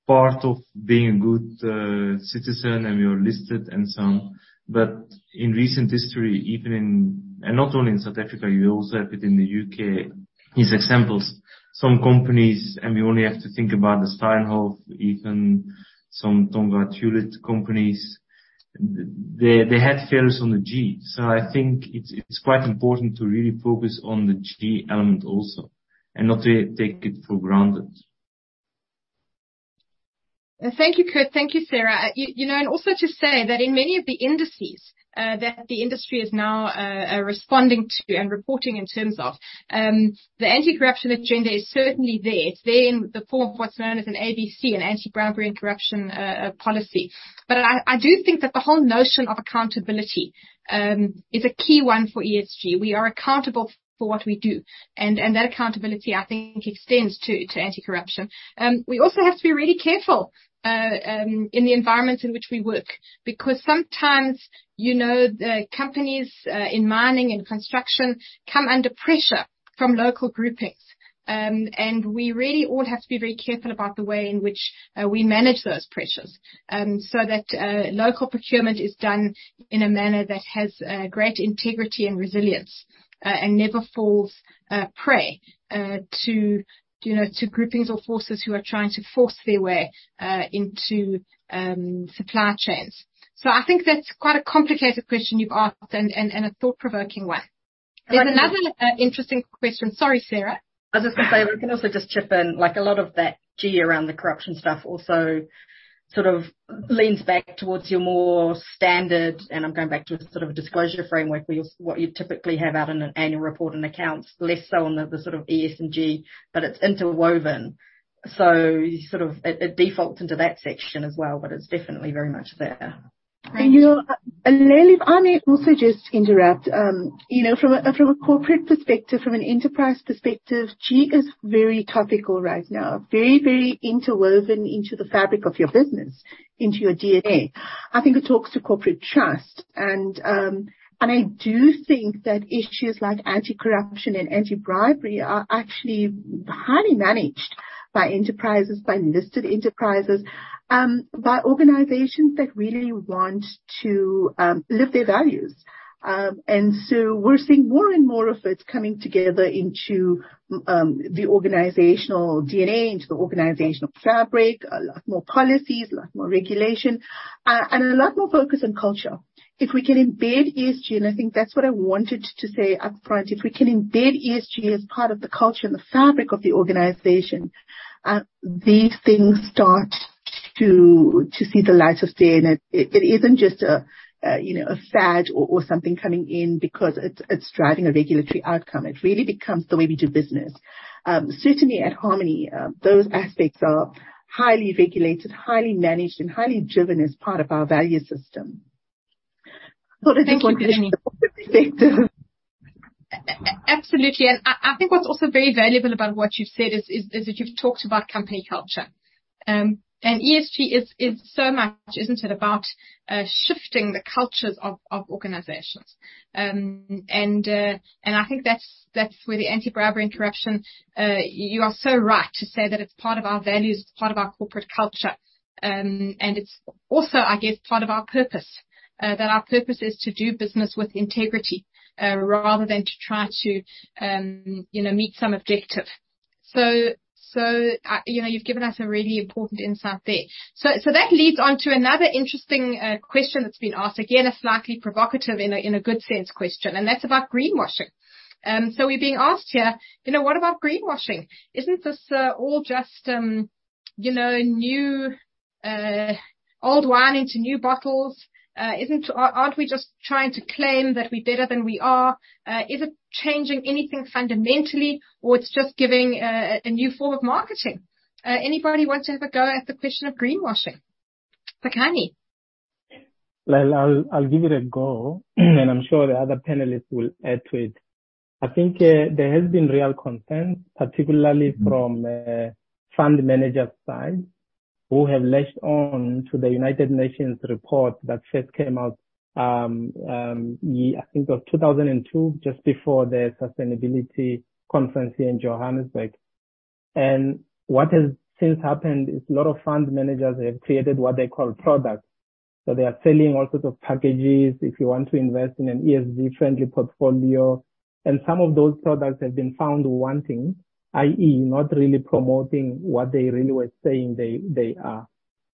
Part of being a good citizen, and we are listed and so on. In recent history, even in South Africa. Not only in South Africa, you also have it in the U.K., these examples. Some companies, and we only have to think about the Steinhoff, even some Tongaat Hulett companies, they had failures on the G. I think it's quite important to really focus on the G element also and not take it for granted. Thank you, Kurt. Thank you, Sarah. You know, and also to say that in many of the indices that the industry is now responding to and reporting in terms of, the anti-corruption agenda is certainly there. It's there in the form of what's known as an ABC, an anti-bribery and corruption policy. I do think that the whole notion of accountability is a key one for ESG. We are accountable for what we do, and that accountability, I think, extends to anti-corruption. We also have to be really careful in the environments in which we work, because sometimes, you know, the companies in mining and construction come under pressure from local groupings. We really all have to be very careful about the way in which we manage those pressures, so that local procurement is done in a manner that has great integrity and resilience, and never falls prey to, you know, to groupings or forces who are trying to force their way into supply chains. I think that's quite a complicated question you've asked and a thought-provoking one. There's another interesting question. Sorry, Sarah. I was just gonna say, I can also just chip in, like a lot of that G around the corruption stuff also sort of leans back towards your more standard, and I'm going back to a sort of a disclosure framework where you'll what you typically have out in an annual report and accounts, less so on the sort of ES and G, but it's interwoven. You sort of it defaults into that section as well, but it's definitely very much there. Thanks. You know, Lael, if I may also just interrupt, you know, from a corporate perspective, from an enterprise perspective, G is very topical right now. Very, very interwoven into the fabric of your business, into your DNA. I think it talks to corporate trust. I do think that issues like anti-corruption and anti-bribery are actually highly managed by enterprises, by listed enterprises, by organizations that really want to live their values. We're seeing more and more of it coming together into the organizational DNA, into the organizational fabric. A lot more policies, a lot more regulation, and a lot more focus on culture. If we can embed ESG, and I think that's what I wanted to say up front, if we can embed ESG as part of the culture and the fabric of the organization, these things start to see the light of day. It isn't just a fad or something coming in because it's driving a regulatory outcome. It really becomes the way we do business. Certainly at Harmony, those aspects are highly regulated, highly managed, and highly driven as part of our value system. Thank you, Melanie. I think from a corporate perspective. Absolutely. I think what's also very valuable about what you've said is that you've talked about company culture. ESG is so much, isn't it, about shifting the cultures of organizations. I think that's where the anti-bribery and corruption, you are so right to say that it's part of our values, it's part of our corporate culture. It's also, I guess, part of our purpose. That our purpose is to do business with integrity, rather than to try to you know, meet some objective. You know, you've given us a really important insight there. That leads on to another interesting question that's been asked. Again, a slightly provocative in a good sense question, and that's about greenwashing. We're being asked here, you know, what about greenwashing? Isn't this all just, you know, new old wine into new bottles? Aren't we just trying to claim that we're better than we are? Is it changing anything fundamentally, or it's just giving a new form of marketing? Anybody want to have a go at the question of greenwashing? Tsakani. Lael, I'll give it a go, and I'm sure the other panelists will add to it. I think there has been real concerns, particularly from fund managers' side, who have latched on to the United Nations report that first came out, I think it was 2002, just before the sustainability conference here in Johannesburg. What has since happened is a lot of fund managers have created what they call products. So they are selling all sorts of packages if you want to invest in an ESG-friendly portfolio. Some of those products have been found wanting, i.e., not really promoting what they really were saying they are.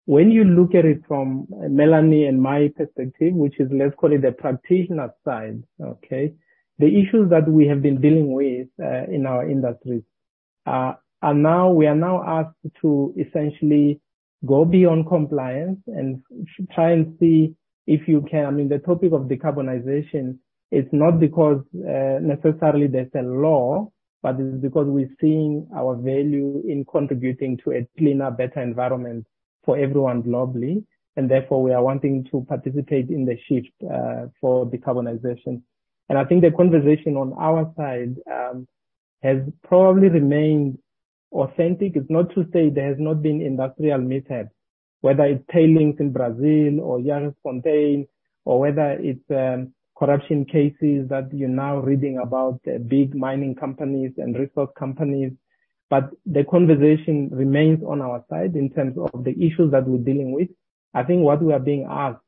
When you look at it from Melanie and my perspective, which is, let's call it the practitioner side, okay? The issues that we have been dealing with in our industries are now. We are now asked to essentially go beyond compliance and try and see if you can. I mean, the topic of decarbonization is not because necessarily there's a law, but it is because we're seeing our value in contributing to a cleaner, better environment for everyone globally. Therefore, we are wanting to participate in the shift for decarbonization. I think the conversation on our side has probably remained authentic. It's not to say there has not been industrial mishap. Whether it's tailings in Brazil or Jagersfontein or whether it's corruption cases that you're now reading about big Mining Companies and Resource Companies. The conversation remains on our side in terms of the issues that we're dealing with. I think what we are being asked,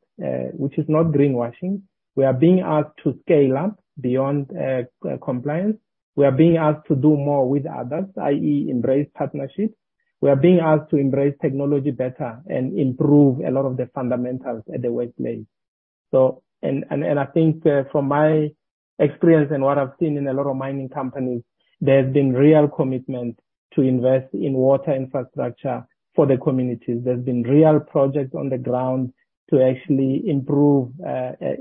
which is not greenwashing, we are being asked to scale up beyond compliance. We are being asked to do more with others, i.e., embrace partnerships. We are being asked to embrace technology better and improve a lot of the fundamentals at the workplace. And I think, from my experience and what I've seen in a lot of Mining Companies, there's been real commitment to invest in water infrastructure for the communities. There's been real projects on the ground to actually improve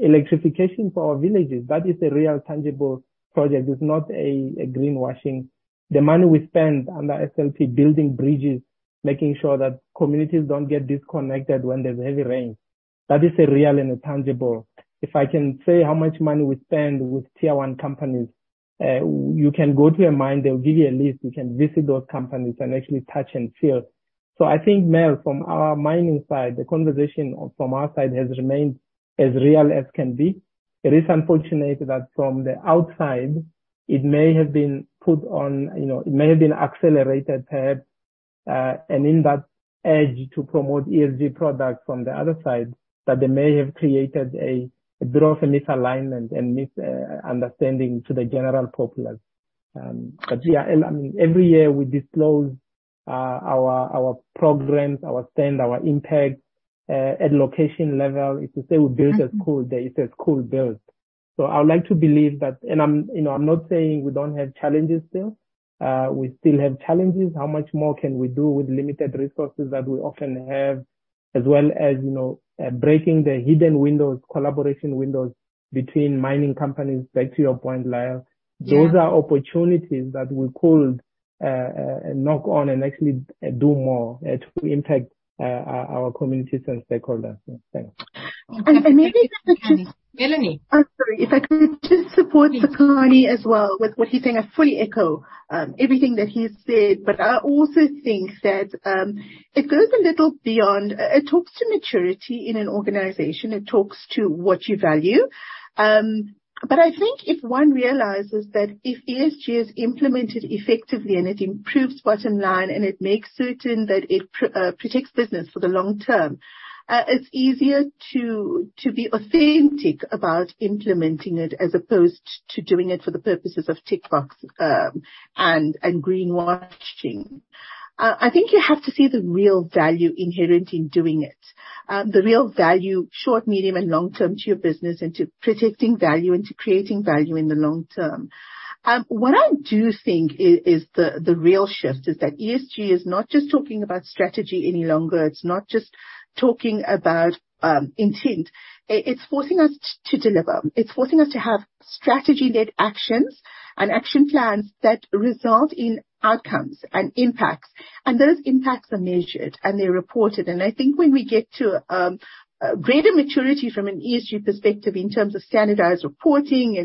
electrification for our villages. That is a real tangible project. It's not greenwashing. The money we spend under SLP, building bridges, making sure that communities don't get disconnected when there's heavy rain, that is a real and tangible. If I can say how much money we spend with Tier One companies, you can go to a mine, they'll give you a list, you can visit those companies and actually touch and feel. I think, Mel, from our mining side, the conversation from our side has remained as real as can be. It is unfortunate that from the outside it may have been put on, you know, it may have been accelerated perhaps, and in that urge to promote ESG products from the other side, that they may have created a bit of a misalignment and misunderstanding to the general populace. But yeah, every year we disclose our programs, our spend, our impact at location level. If you say we built a school, there is a school built. I would like to believe that. I'm, you know, I'm not saying we don't have challenges still. We still have challenges. How much more can we do with limited resources that we often have, as well as, you know, breaking the hidden windows, collaboration windows between Mining Companies, back to your point, Lael. Yeah. Those are opportunities that we could knock on and actually do more to impact our communities and stakeholders. Thanks. And, and maybe- Melanie. I'm sorry. If I could just support Tsakani as well with what he's saying. I fully echo everything that he said. I also think that it goes a little beyond. It talks to maturity in an organization. It talks to what you value. I think if one realizes that if ESG is implemented effectively and it improves bottom line, and it makes certain that it protects business for the long term, it's easier to be authentic about implementing it as opposed to doing it for the purposes of tick box and greenwashing. I think you have to see the real value inherent in doing it, the real value short, medium and long-term to your business and to protecting value and to creating value in the long term. What I do think is the real shift is that ESG is not just talking about strategy any longer. It's not just talking about intent. It's forcing us to deliver. It's forcing us to have strategy-led actions and action plans that result in outcomes and impacts. Those impacts are measured and they're reported. I think when we get to greater maturity from an ESG perspective in terms of standardized reporting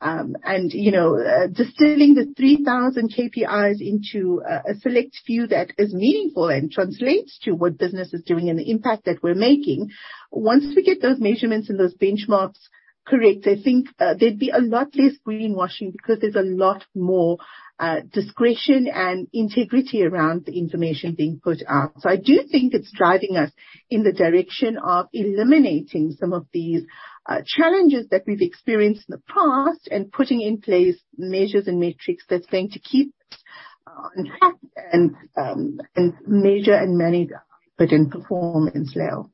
and you know distilling the 3,000 KPIs into a select few that is meaningful and translates to what business is doing and the impact that we're making. Once we get those measurements and those benchmarks correct, I think there'd be a lot less greenwashing because there's a lot more discretion and integrity around the information being put out. I do think it's driving us in the direction of eliminating some of these challenges that we've experienced in the past and putting in place measures and metrics that's going to keep intact and measure and manage our input and performance level.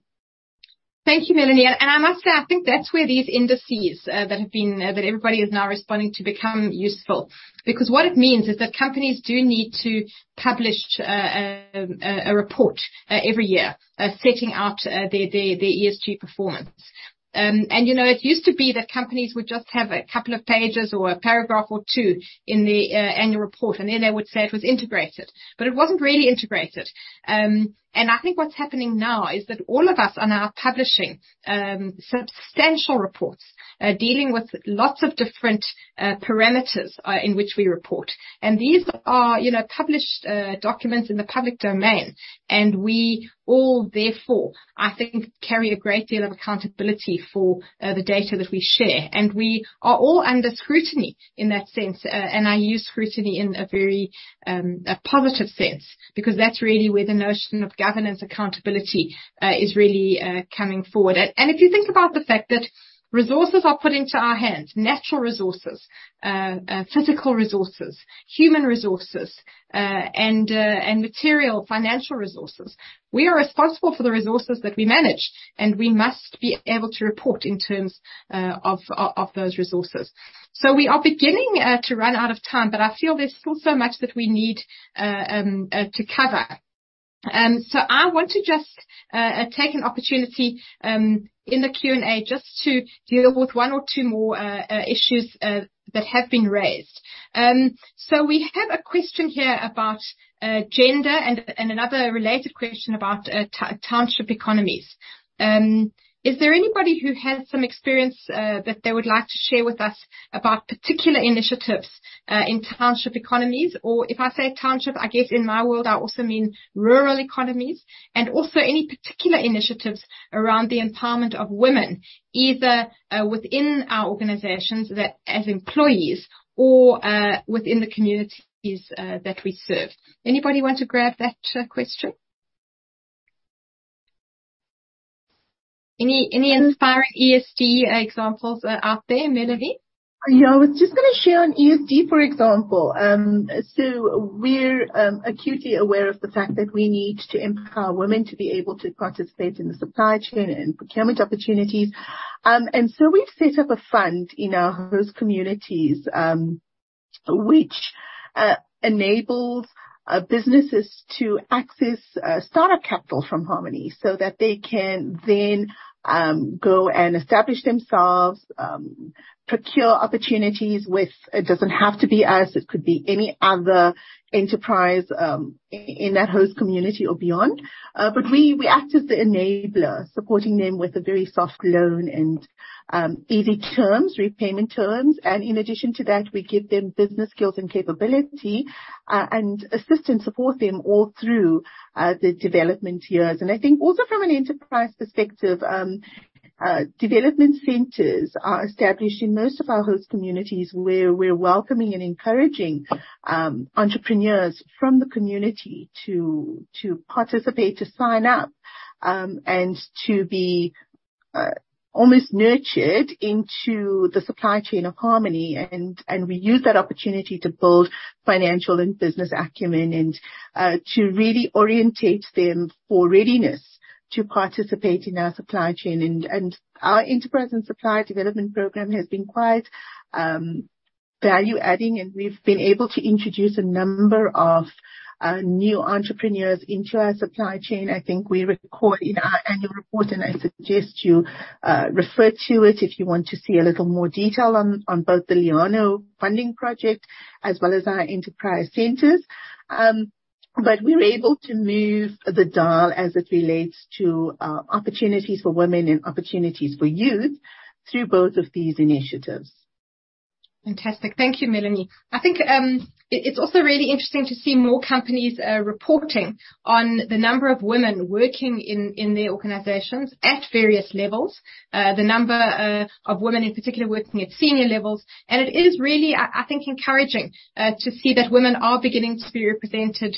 Thank you, Melanie. I must say, I think that's where these indices that everybody is now responding to become useful. Because what it means is that companies do need to publish a report every year setting out their ESG performance. You know, it used to be that companies would just have a couple of pages or a paragraph or two in the annual report, and then they would say it was integrated, but it wasn't really integrated. I think what's happening now is that all of us are now publishing substantial reports dealing with lots of different parameters in which we report. These are, you know, published documents in the public domain. We all therefore, I think, carry a great deal of accountability for the data that we share. We are all under scrutiny in that sense. I use scrutiny in a very positive sense because that's really where the notion of governance accountability is really coming forward. If you think about the fact that resources are put into our hands, natural resources, physical resources, human resources, and material financial resources, we are responsible for the resources that we manage, and we must be able to report in terms of those resources. We are beginning to run out of time, but I feel there's still so much that we need to cover. I want to just take an opportunity in the Q&A just to deal with one or two more issues that have been raised. We have a question here about gender and another related question about township economies. Is there anybody who has some experience that they would like to share with us about particular initiatives in township economies? Or if I say township, I guess in my world I also mean rural economies, and also any particular initiatives around the empowerment of women, either within our organizations that as employees or within the communities that we serve. Anybody want to grab that question? Any inspiring ESG examples out there, Melanie? Yeah. I was just gonna share on ESG, for example. We're acutely aware of the fact that we need to empower women to be able to participate in the supply chain and procurement opportunities. We've set up a fund in our host communities, which enables businesses to access startup capital from Harmony so that they can then go and establish themselves, procure opportunities with. It doesn't have to be us, it could be any other enterprise in that host community or beyond. We act as the enabler, supporting them with a very soft loan and easy terms, repayment terms. In addition to that, we give them business skills and capability and assist and support them all through the development years. I think also from an enterprise perspective, development centers are established in most of our host communities where we're welcoming and encouraging entrepreneurs from the community to participate, to sign up, and to be almost nurtured into the supply chain of Harmony. We use that opportunity to build financial and business acumen and to really orientate them for readiness to participate in our supply chain. Our enterprise and supply development program has been quite value-adding, and we've been able to introduce a number of new entrepreneurs into our supply chain. I think we record in our annual report, and I suggest you refer to it if you want to see a little more detail on both the La Rona funding project as well as our enterprise centers. We're able to move the dial as it relates to opportunities for women and opportunities for youth through both of these initiatives. Fantastic. Thank you, Melanie. I think it's also really interesting to see more companies reporting on the number of women working in their organizations at various levels. The number of women in particular working at senior levels. It is really I think encouraging to see that women are beginning to be represented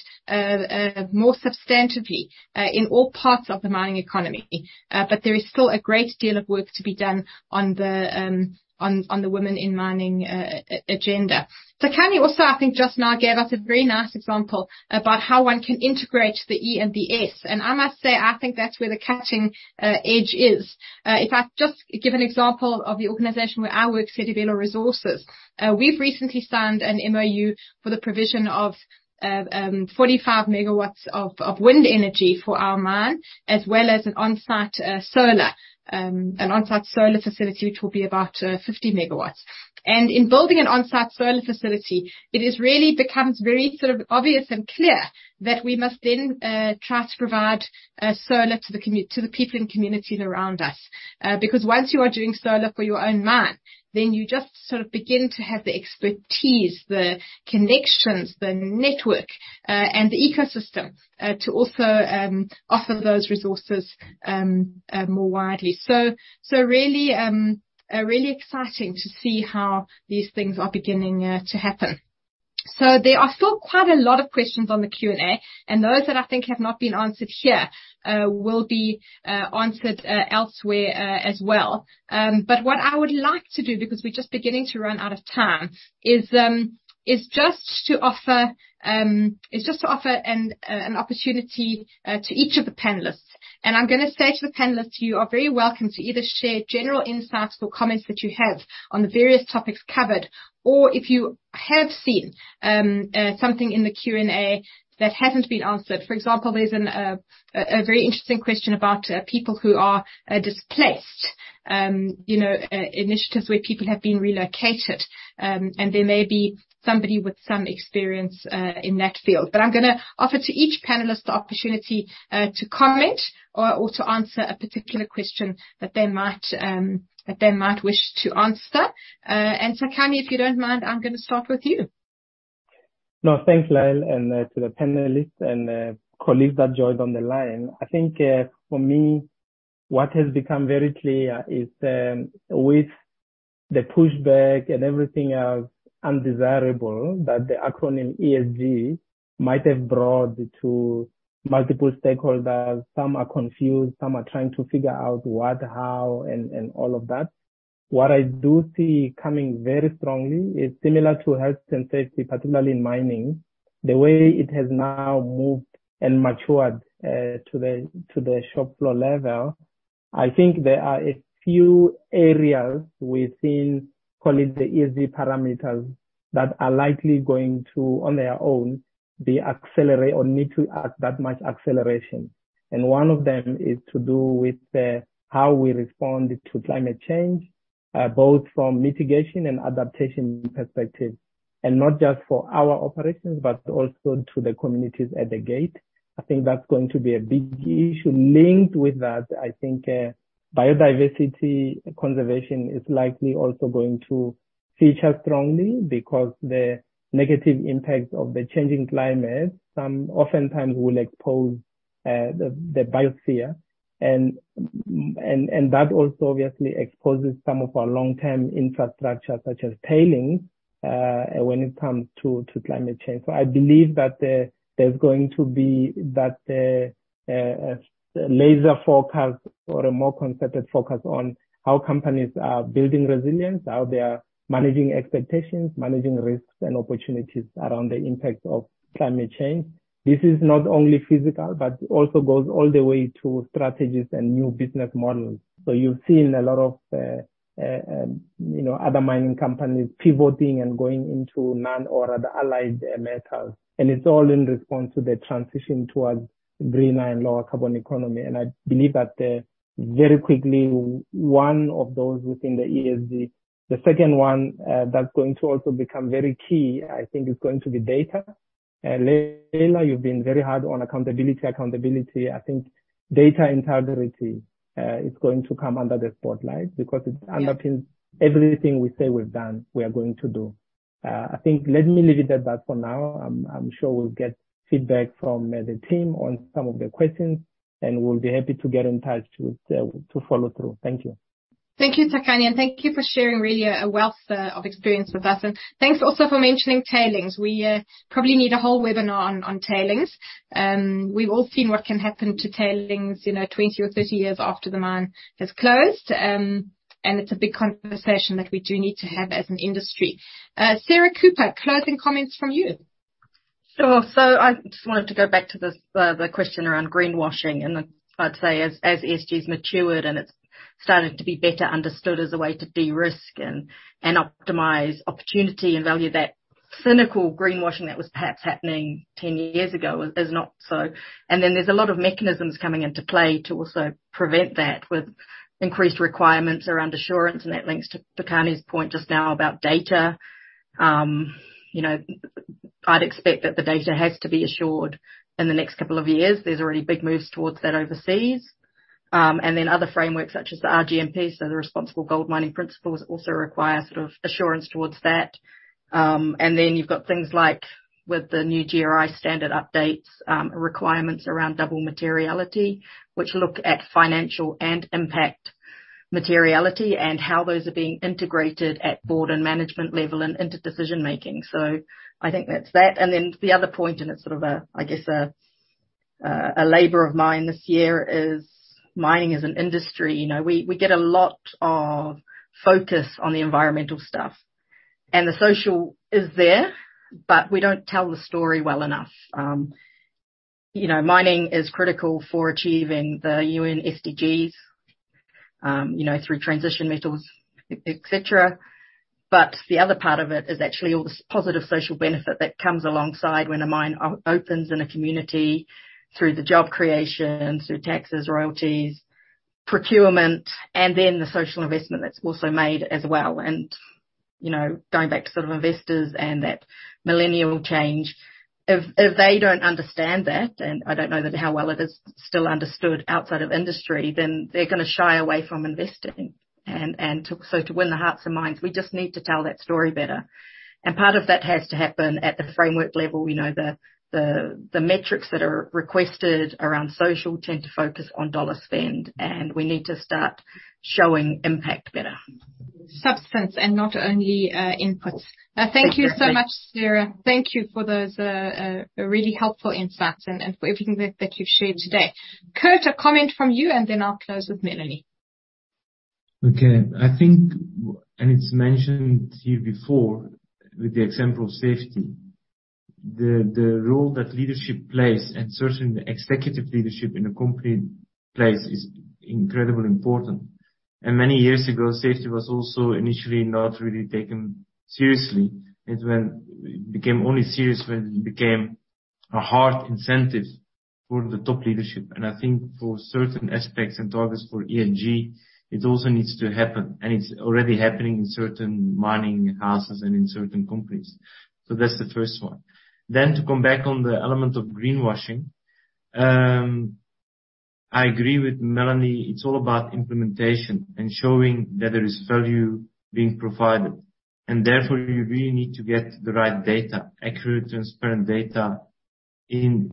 more substantively in all parts of the mining economy. But there is still a great deal of work to be done on the women in mining agenda. Tsakani also I think just now gave us a very nice example about how one can integrate the E and the S. I must say I think that's where the cutting edge is. If I just give an example of the organization where I work, Sedibelo Resources. We've recently signed an MoU for the provision of 45 MW of wind energy for our mine, as well as an on-site solar facility, which will be about 50 MW. In building an on-site solar facility, it has really becomes very sort of obvious and clear that we must then try to provide solar to the people and communities around us. Because once you are doing solar for your own mine, then you just sort of begin to have the expertise, the connections, the network, and the ecosystem to also offer those resources more widely. Really exciting to see how these things are beginning to happen. There are still quite a lot of questions on the Q&A, and those that I think have not been answered here will be answered elsewhere as well. What I would like to do, because we're just beginning to run out of time, is just to offer an opportunity to each of the panelists. I'm gonna say to the panelists, you are very welcome to either share general insights or comments that you have on the various topics covered, or if you have seen something in the Q&A that hasn't been answered. For example, there's a very interesting question about people who are displaced. You know, initiatives where people have been relocated, and there may be somebody with some experience in that field. I'm gonna offer to each panelist the opportunity to comment or to answer a particular question that they might wish to answer. Tsakani, if you don't mind, I'm gonna start with you. No. Thanks, Lael, and to the panelists and colleagues that joined on the line. I think, for me, what has become very clear is, with the pushback and everything else undesirable that the acronym ESG might have brought to multiple stakeholders. Some are confused, some are trying to figure out what, how, and all of that. What I do see coming very strongly is similar to health and safety, particularly in mining, the way it has now moved and matured, to the shop floor level. I think there are a few areas within, call it the ESG parameters, that are likely going to, on their own, be accelerate or need to add that much acceleration. One of them is to do with how we respond to climate change, both from mitigation and adaptation perspective, and not just for our operations, but also to the communities at the gate. I think that's going to be a big issue. Linked with that, I think biodiversity conservation is likely also going to feature strongly because the negative impacts of the changing climate sometimes will expose the biosphere. That also obviously exposes some of our long-term infrastructure, such as tailings, when it comes to climate change. I believe there's going to be that laser focus or a more concerted focus on how companies are building resilience, how they are managing expectations, managing risks and opportunities around the impact of climate change. This is not only physical, but also goes all the way to strategies and new business models. You've seen a lot of, you know, other Mining Companies pivoting and going into non or other allied, metals, and it's all in response to the transition towards greener and lower carbon economy. I believe that, very quickly, one of those within the ESG. The second one, that's going to also become very key, I think, is going to be data. Lael, you've been very hard on accountability. I think data integrity is going to come under the spotlight because it underpins everything we say we've done, we are going to do. I think let me leave it at that for now. I'm sure we'll get feedback from the team on some of the questions, and we'll be happy to get in touch with to follow through. Thank you. Thank you, Tsakani. Thank you for sharing really a wealth of experience with us. Thanks also for mentioning tailings. We probably need a whole webinar on tailings. We've all seen what can happen to tailings, you know, 20 or 30 years after the mine has closed. It's a big conversation that we do need to have as an industry. Sarah Crombie, closing comments from you. Sure. So I just wanted to go back to the question around greenwashing. I'd say as ESG's matured and it's started to be better understood as a way to de-risk and optimize opportunity and value that cynical greenwashing that was perhaps happening 10 years ago is not so. There's a lot of mechanisms coming into play to also prevent that with increased requirements around assurance, and that links to Tsakani's point just now about data. You know, I'd expect that the data has to be assured in the next couple of years. There's already big moves towards that overintegrated at board and management seas. Other frameworks such as the RGMP, so the Responsible Gold Mining Principles, also require sort of assurance towards that. You've got things like with the new GRI standard updates, requirements around double materiality, which look at financial and impact materiality and how those are being integrated at board and management level and into decision-making. I think that's that. The other point, and it's sort of a, I guess, labor of mine this year is mining as an industry. You know, we get a lot of focus on the environmental stuff. The social is there, but we don't tell the story well enough. You know, mining is critical for achieving the UN SDGs, you know, through transition metals, etc. The other part of it is actually all the positive social benefit that comes alongside when a mine opens in a community through the job creation, through taxes, royalties, procurement, and then the social investment that's also made as well. You know, going back to sort of investors and that millennial change, if they don't understand that, and I don't know how well it is still understood outside of industry, then they're gonna shy away from investing. To win the hearts and minds, we just need to tell that story better. Part of that has to happen at the framework level. We know the metrics that are requested around social tend to focus on dollar spend, and we need to start showing impact better. Substance and not only, input. Exactly. Thank you so much, Sarah. Thank you for those, really helpful insights and for everything that you've shared today. Kurt, a comment from you, and then I'll close with Melanie. Okay. I think, and it's mentioned here before with the example of safety, the role that leadership plays, and certainly the executive leadership in a company plays, is incredibly important. Many years ago, safety was also initially not really taken seriously. It became only serious when it became a hard incentive for the top leadership. I think for certain aspects and targets for ESG, it also needs to happen. It's already happening in certain mining houses and in certain companies. That's the first one. To come back on the element of greenwashing, I agree with Melanie. It's all about implementation and showing that there is value being provided. Therefore, you really need to get the right data, accurate, transparent data in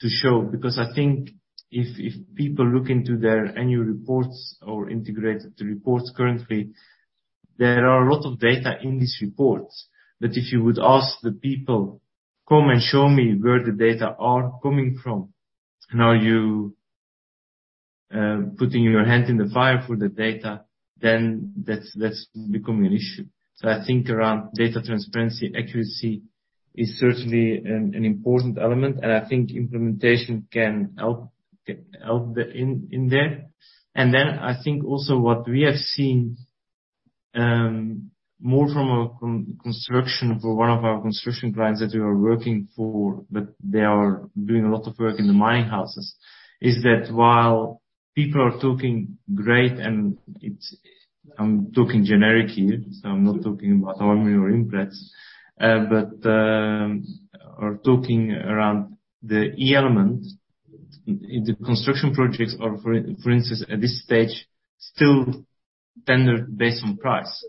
to show. Because I think if people look into their annual reports or integrated reports currently, there are a lot of data in these reports that if you would ask the people, "Come and show me where the data are coming from. And are you putting your hand in the fire for the data?" That's becoming an issue. I think around data transparency, accuracy is certainly an important element, and I think implementation can help in there. I think also what we have seen more from a construction, for one of our construction clients that we are working for, but they are doing a lot of work in the mining houses, is that while people are talking great, and it's. I'm talking generic here, so I'm not talking about ARM or Implats. We are talking around the E element in the construction projects or for instance, at this stage, still tendered based on price.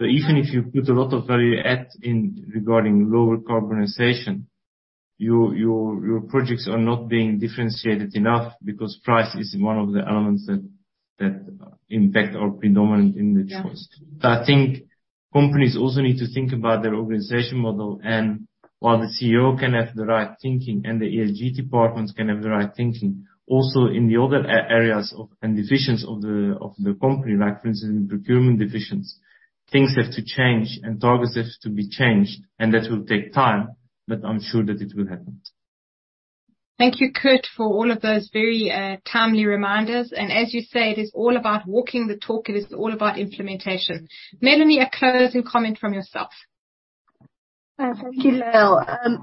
Even if you put a lot of value add in regarding lower decarbonization, your projects are not being differentiated enough because price is one of the elements that impact or predominant in the choice. Yeah. I think companies also need to think about their organization model and while the CEO can have the right thinking and the ESG departments can have the right thinking, also in the other areas of and divisions of the company, like for instance in procurement divisions, things have to change and targets have to be changed, and that will take time, but I'm sure that it will happen. Thank you, Kurt, for all of those very timely reminders. As you say, it is all about walking the talk. It is all about implementation. Melanie, a closing comment from yourself. Thank you, Lael. I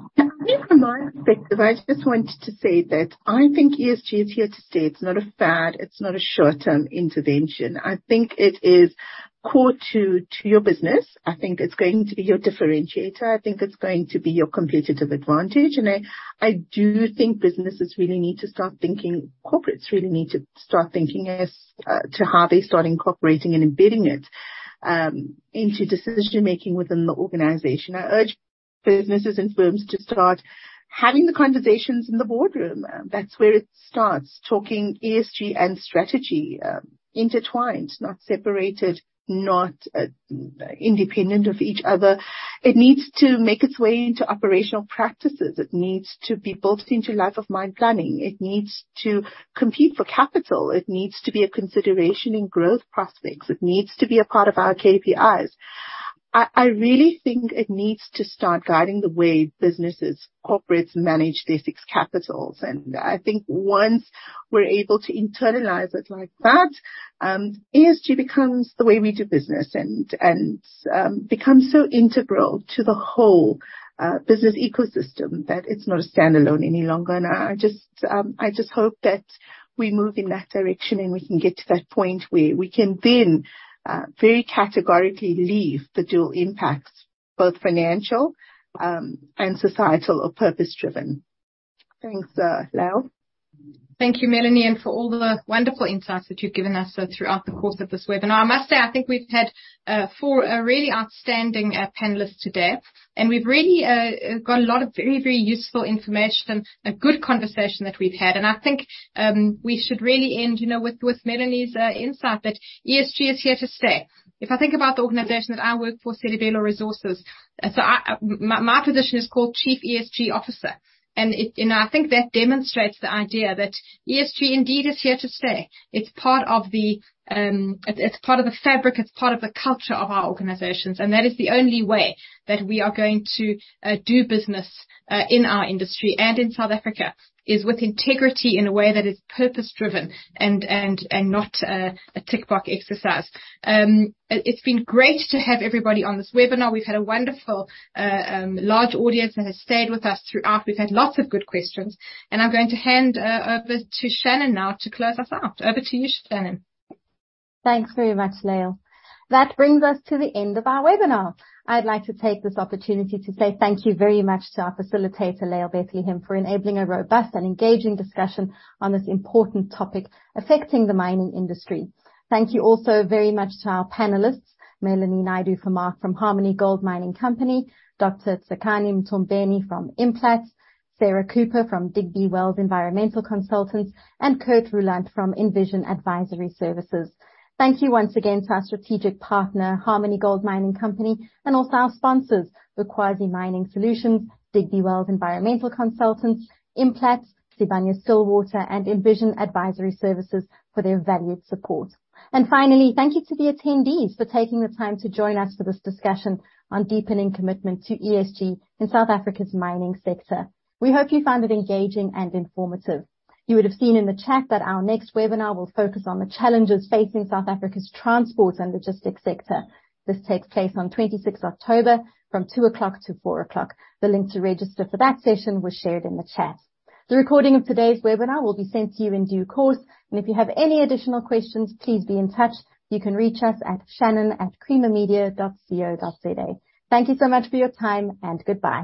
think from my perspective, I just wanted to say that I think ESG is here to stay. It's not a fad, it's not a short-term intervention. I think it is core to your business. I think it's going to be your differentiator. I think it's going to be your competitive advantage. I do think businesses really need to start thinking corporates really need to start thinking as to how they start incorporating and embedding it into decision-making within the organization. I urge businesses and firms to start having the conversations in the boardroom. That's where it starts, talking ESG and strategy intertwined, not separated, not independent of each other. It needs to make its way into operational practices. It needs to be built into life of mine planning. It needs to compete for capital. It needs to be a consideration in growth prospects. It needs to be a part of our KPIs. I really think it needs to start guiding the way businesses, corporates manage their Six Capitals. I think once we're able to internalize it like that, ESG becomes the way we do business and becomes so integral to the whole business ecosystem that it's not a standalone any longer. I just hope that we move in that direction and we can get to that point where we can then very categorically leave the dual impacts, both financial and societal or purpose-driven. Thanks, Lael. Thank you, Melanie, and for all the wonderful insights that you've given us throughout the course of this webinar. I must say, I think we've had four really outstanding panelists today. We've really got a lot of very, very useful information, a good conversation that we've had. I think we should really end, you know, with Melanie's insight that ESG is here to stay. If I think about the organization that I work for, Sedibelo Resources, my position is called Chief ESG Officer. It, you know, I think that demonstrates the idea that ESG indeed is here to stay. It's part of the fabric, it's part of the culture of our organizations, and that is the only way that we are going to do business in our industry and in South Africa, is with integrity in a way that is purpose-driven and not a tick box exercise. It's been great to have everybody on this webinar. We've had a wonderful large audience that has stayed with us throughout. We've had lots of good questions. I'm going to hand over to Shannon now to close us out. Over to you, Shannon. Thanks very much, Lael. That brings us to the end of our webinar. I'd like to take this opportunity to say thank you very much to our facilitator, Lael Bethlehem, for enabling a robust and engaging discussion on this important topic affecting the mining industry. Thank you also very much to our panelists, Melanie Naidoo-Vermaak from Harmony Gold Mining Company, Dr. Tsakani Mthombeni from Implats, Sarah Crombie from Digby Wells Environmental, and Kurt Roelandt from Envision Advisory Services. Thank you once again to our strategic partner, Harmony Gold Mining Company, and also our sponsors, Ukwazi Mining Solutions, Digby Wells Environmental, Implats, Sibanye-Stillwater, and Envision Advisory Services for their valued support. Finally, thank you to the attendees for taking the time to join us for this discussion on deepening commitment to ESG in South Africa's mining sector. We hope you found it engaging and informative. You would have seen in the chat that our next webinar will focus on the challenges facing South Africa's transport and logistics sector. This takes place on 26th October from 2:00 PM-4:00 PM. The link to register for that session was shared in the chat. The recording of today's webinar will be sent to you in due course, and if you have any additional questions, please be in touch. You can reach us at shannon@creamermedia.co.za. Thank you so much for your time, and goodbye.